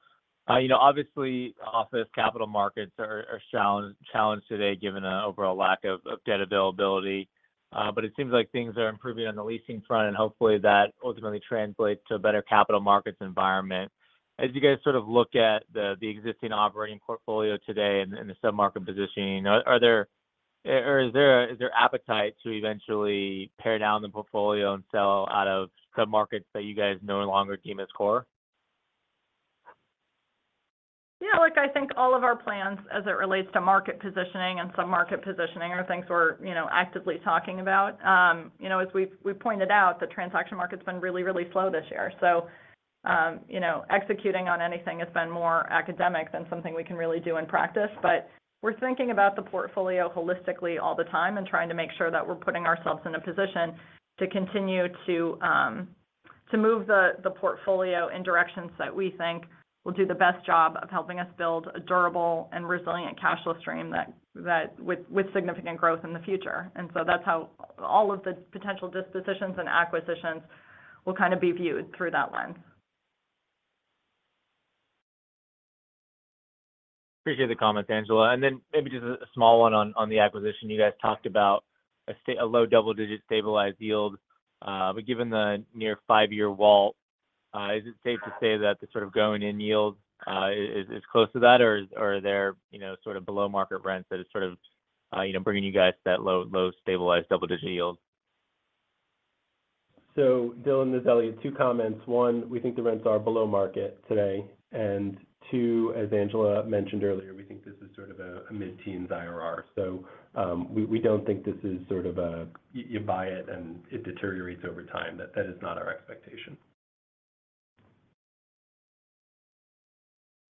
Obviously, office capital markets are challenged today given an overall lack of debt availability. But it seems like things are improving on the leasing front, and hopefully that ultimately translates to a better capital markets environment. As you guys sort of look at the existing operating portfolio today and the sub-market positioning, is there appetite to eventually pare down the portfolio and sell out of sub-markets that you guys no longer deem as core? Yeah. Look, I think all of our plans as it relates to market positioning and sub-market positioning are things we're actively talking about. As we pointed out, the transaction market's been really, really slow this year. So executing on anything has been more academic than something we can really do in practice. But we're thinking about the portfolio holistically all the time and trying to make sure that we're putting ourselves in a position to continue to move the portfolio in directions that we think will do the best job of helping us build a durable and resilient cash flow stream with significant growth in the future. And so that's how all of the potential dispositions and acquisitions will kind of be viewed through that lens. Appreciate the comments, Angela. And then maybe just a small one on the acquisition. You guys talked about a low double-digit stabilized yield. But given the near five-year wall, is it safe to say that the sort of going-in yield is close to that, or are there sort of below-market rents that are sort of bringing you guys to that low stabilized double-digit yield? So, Dylan, there's only two comments. One, we think the rents are below market today. And two, as Angela mentioned earlier, we think this is sort of a mid-teens IRR. So we don't think this is sort of a, you buy it and it deteriorates over time. That is not our expectation.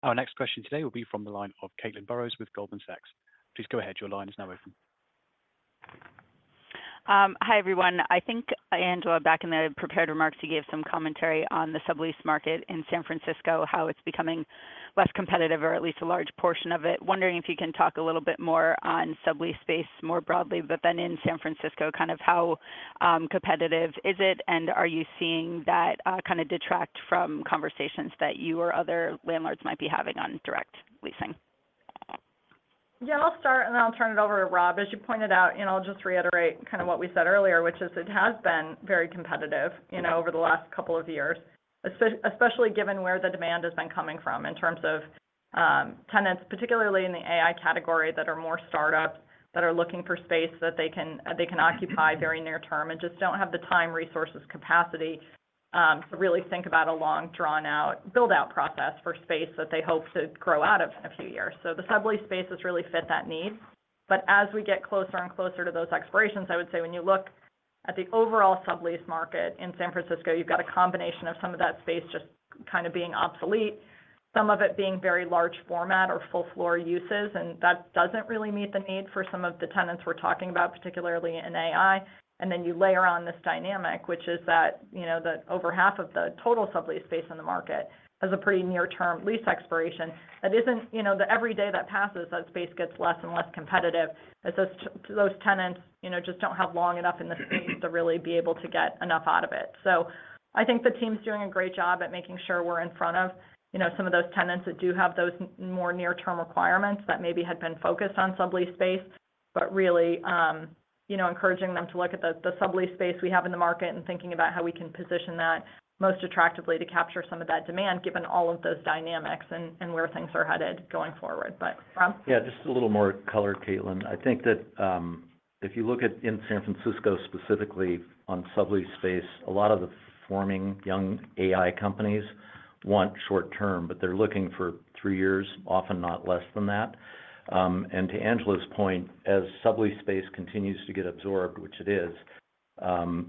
Our next question today will be from the line of Caitlin Burrows with Goldman Sachs. Please go ahead. Your line is now open. Hi, everyone. I think, Angela, back in the prepared remarks, you gave some commentary on the sublease market in San Francisco, how it's becoming less competitive, or at least a large portion of it. Wondering if you can talk a little bit more on sublease space more broadly, but then in San Francisco, kind of how competitive is it, and are you seeing that kind of detract from conversations that you or other landlords might be having on direct leasing? Yeah. I'll start, and then I'll turn it over to Rob. As you pointed out, and I'll just reiterate kind of what we said earlier, which is it has been very competitive over the last couple of years, especially given where the demand has been coming from in terms of tenants, particularly in the AI category that are more startups that are looking for space that they can occupy very near term and just don't have the time, resources, capacity to really think about a long drawn-out build-out process for space that they hope to grow out of in a few years. So the sublease space has really fit that need. But as we get closer and closer to those expirations, I would say when you look at the overall sublease market in San Francisco, you've got a combination of some of that space just kind of being obsolete, some of it being very large format or full-floor uses, and that doesn't really meet the need for some of the tenants we're talking about, particularly in AI, and then you layer on this dynamic, which is that over half of the total sublease space in the market has a pretty near-term lease expiration. That is, the every day that passes, that space gets less and less competitive as those tenants just don't have long enough in the space to really be able to get enough out of it. So I think the team's doing a great job at making sure we're in front of some of those tenants that do have those more near-term requirements that maybe had been focused on sublease space, but really encouraging them to look at the sublease space we have in the market and thinking about how we can position that most attractively to capture some of that demand given all of those dynamics and where things are headed going forward. But Rob? Yeah. Just a little more color, Caitlin. I think that if you look at in San Francisco specifically on sublease space, a lot of the forming young AI companies want short-term, but they're looking for three years, often not less than that. And to Angela's point, as sublease space continues to get absorbed, which it is,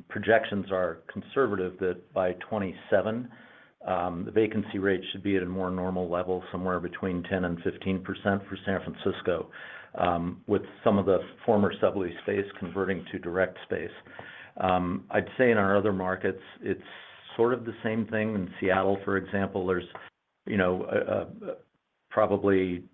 projections are conservative that by 2027, the vacancy rate should be at a more normal level, somewhere between 10% and 15% for San Francisco, with some of the former sublease space converting to direct space. I'd say in our other markets, it's sort of the same thing. In Seattle, for example, there's probably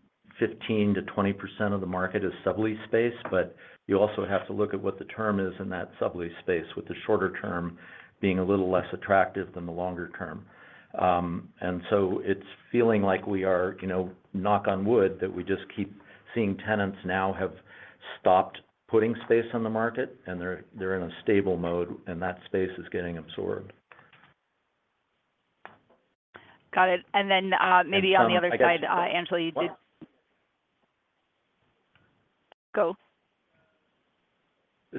15%-20% of the market is sublease space, but you also have to look at what the term is in that sublease space, with the shorter term being a little less attractive than the longer term. And so it's feeling like we are, knock on wood, that we just keep seeing tenants now have stopped putting space on the market, and they're in a stable mode, and that space is getting absorbed. Got it. And then maybe on the other side, Angela, you did go.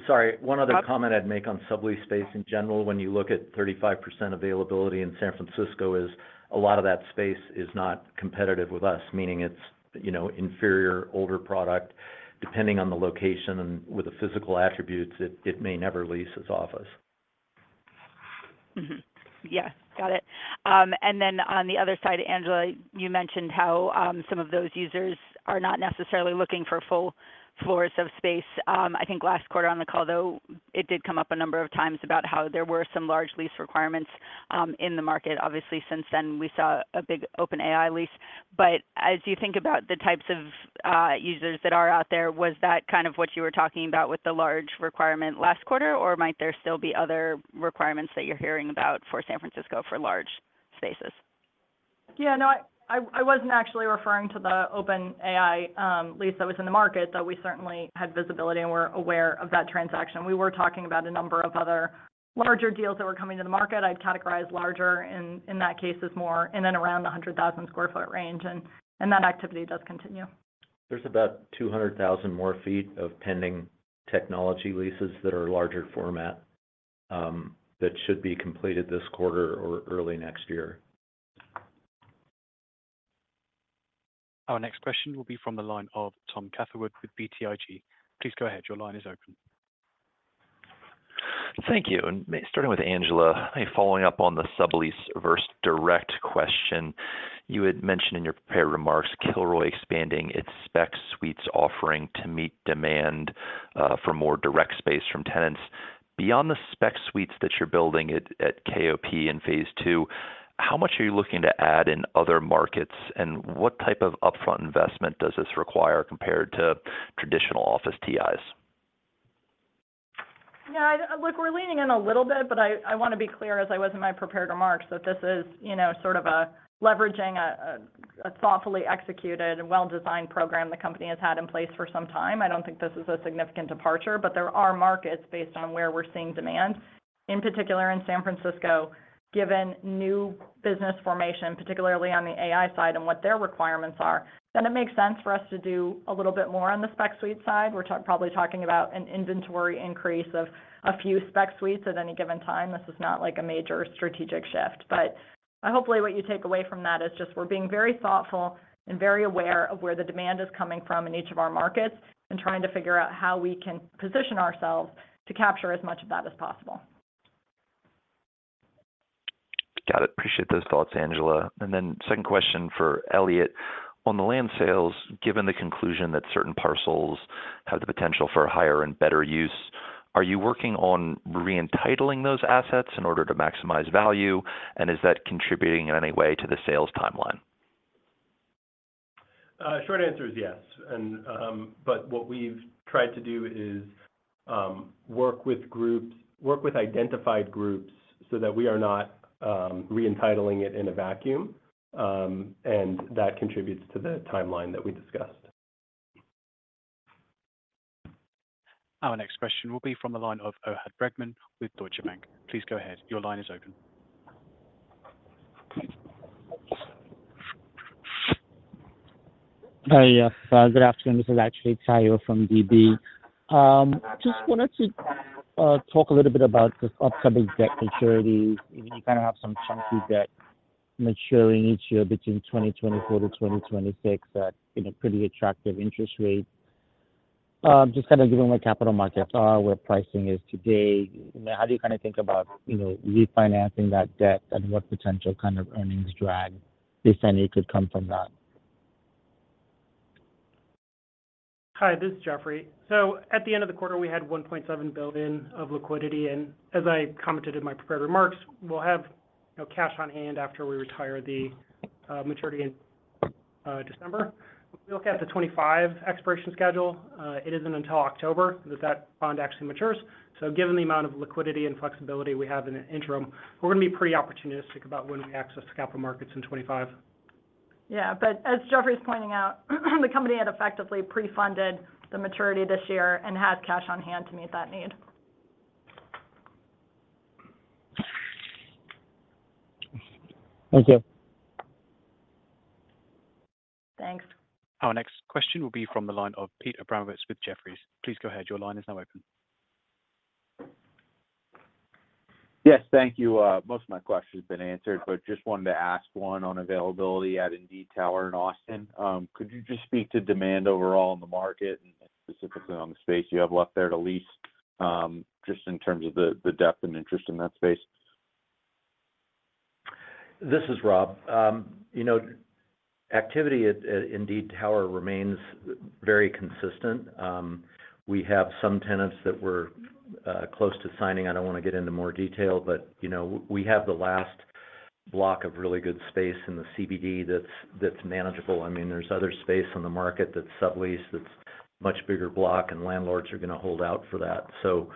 Sorry. One other comment I'd make on sublease space in general, when you look at 35% availability in San Francisco, is a lot of that space is not competitive with us, meaning it's inferior, older product. Depending on the location and with the physical attributes, it may never lease as office. Yes. Got it. And then on the other side, Angela, you mentioned how some of those users are not necessarily looking for full floors of space. I think last quarter on the call, though, it did come up a number of times about how there were some large lease requirements in the market. Obviously, since then, we saw a big OpenAI lease. But as you think about the types of users that are out there, was that kind of what you were talking about with the large requirement last quarter, or might there still be other requirements that you're hearing about for San Francisco for large spaces? Yeah. No, I wasn't actually referring to the OpenAI lease that was in the market, though we certainly had visibility and were aware of that transaction. We were talking about a number of other larger deals that were coming to the market. I'd categorize larger in that case as more in and around the 100,000 sq ft range, and that activity does continue. There's about 200,000 more feet of pending technology leases that are larger format that should be completed this quarter or early next year. Our next question will be from the line of Tom Catherwood with BTIG. Please go ahead. Your line is open. Thank you. And starting with Angela, following up on the sublease versus direct question, you had mentioned in your prepared remarks Kilroy expanding its spec suites offering to meet demand for more direct space from tenants. Beyond the spec suites that you're building at KOP in phase II, how much are you looking to add in other markets, and what type of upfront investment does this require compared to traditional office TIs? Yeah. Look, we're leaning in a little bit, but I want to be clear as I was in my prepared remarks that this is sort of leveraging a thoughtfully executed and well-designed program the company has had in place for some time. I don't think this is a significant departure, but there are markets based on where we're seeing demand. In particular, in San Francisco, given new business formation, particularly on the AI side and what their requirements are, then it makes sense for us to do a little bit more on the spec suite side. We're probably talking about an inventory increase of a few spec suites at any given time. This is not a major strategic shift. Hopefully what you take away from that is just we're being very thoughtful and very aware of where the demand is coming from in each of our markets and trying to figure out how we can position ourselves to capture as much of that as possible. Got it. Appreciate those thoughts, Angela. And then, second question for Eliott. On the land sales, given the conclusion that certain parcels have the potential for higher and better use, are you working on re-entitling those assets in order to maximize value, and is that contributing in any way to the sales timeline? Short answer is yes. But what we've tried to do is work with identified groups so that we are not re-entitling it in a vacuum, and that contributes to the timeline that we discussed. Our next question will be from the line of Ohad Bregman with Deutsche Bank. Please go ahead. Your line is open. Hi. Good afternoon. This is actually Caio from DB. Just wanted to talk a little bit about these upcoming debt maturities. You kind of have some chunky debt maturing each year between 2024-2026 at pretty attractive interest rates. Just kind of given where capital markets are, where pricing is today, how do you kind of think about refinancing that debt and what potential kind of earnings drag, if any, could come from that? Hi. This is Jeffrey. So at the end of the quarter, we had $1.7 billion of liquidity. And as I commented in my prepared remarks, we'll have cash on hand after we retire the maturity in December. We look at the 2025 expiration schedule. It isn't until October that the bond actually matures. So given the amount of liquidity and flexibility we have in the interim, we're going to be pretty opportunistic about when we access the capital markets in 2025. Yeah. But as Jeffrey's pointing out, the company had effectively pre-funded the maturity this year and has cash on hand to meet that need. Thank you. Thanks. Our next question will be from the line of Peter Abramowitz with Jefferies. Please go ahead. Your line is now open. Yes. Thank you. Most of my questions have been answered, but just wanted to ask one on availability at Indeed Tower in Austin. Could you just speak to demand overall in the market and specifically on the space you have left there to lease just in terms of the depth and interest in that space? This is Rob. Activity at Indeed Tower remains very consistent. We have some tenants that we're close to signing. I don't want to get into more detail, but we have the last block of really good space in the CBD that's manageable. I mean, there's other space on the market that's sublease that's much bigger block, and landlords are going to hold out for that, so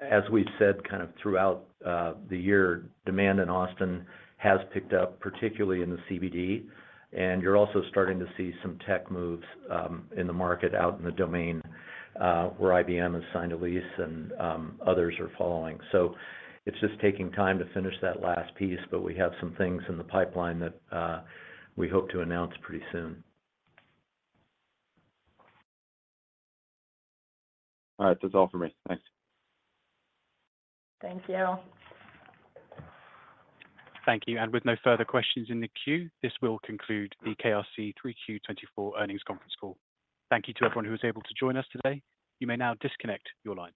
as we've said kind of throughout the year, demand in Austin has picked up, particularly in the CBD, and you're also starting to see some tech moves in the market out in the Domain where IBM has signed a lease and others are following, so it's just taking time to finish that last piece, but we have some things in the pipeline that we hope to announce pretty soon. All right. That's all for me. Thanks. Thank you. Thank you. And with no further questions in the queue, this will conclude the KRC 3Q24 earnings conference call. Thank you to everyone who was able to join us today. You may now disconnect your lines.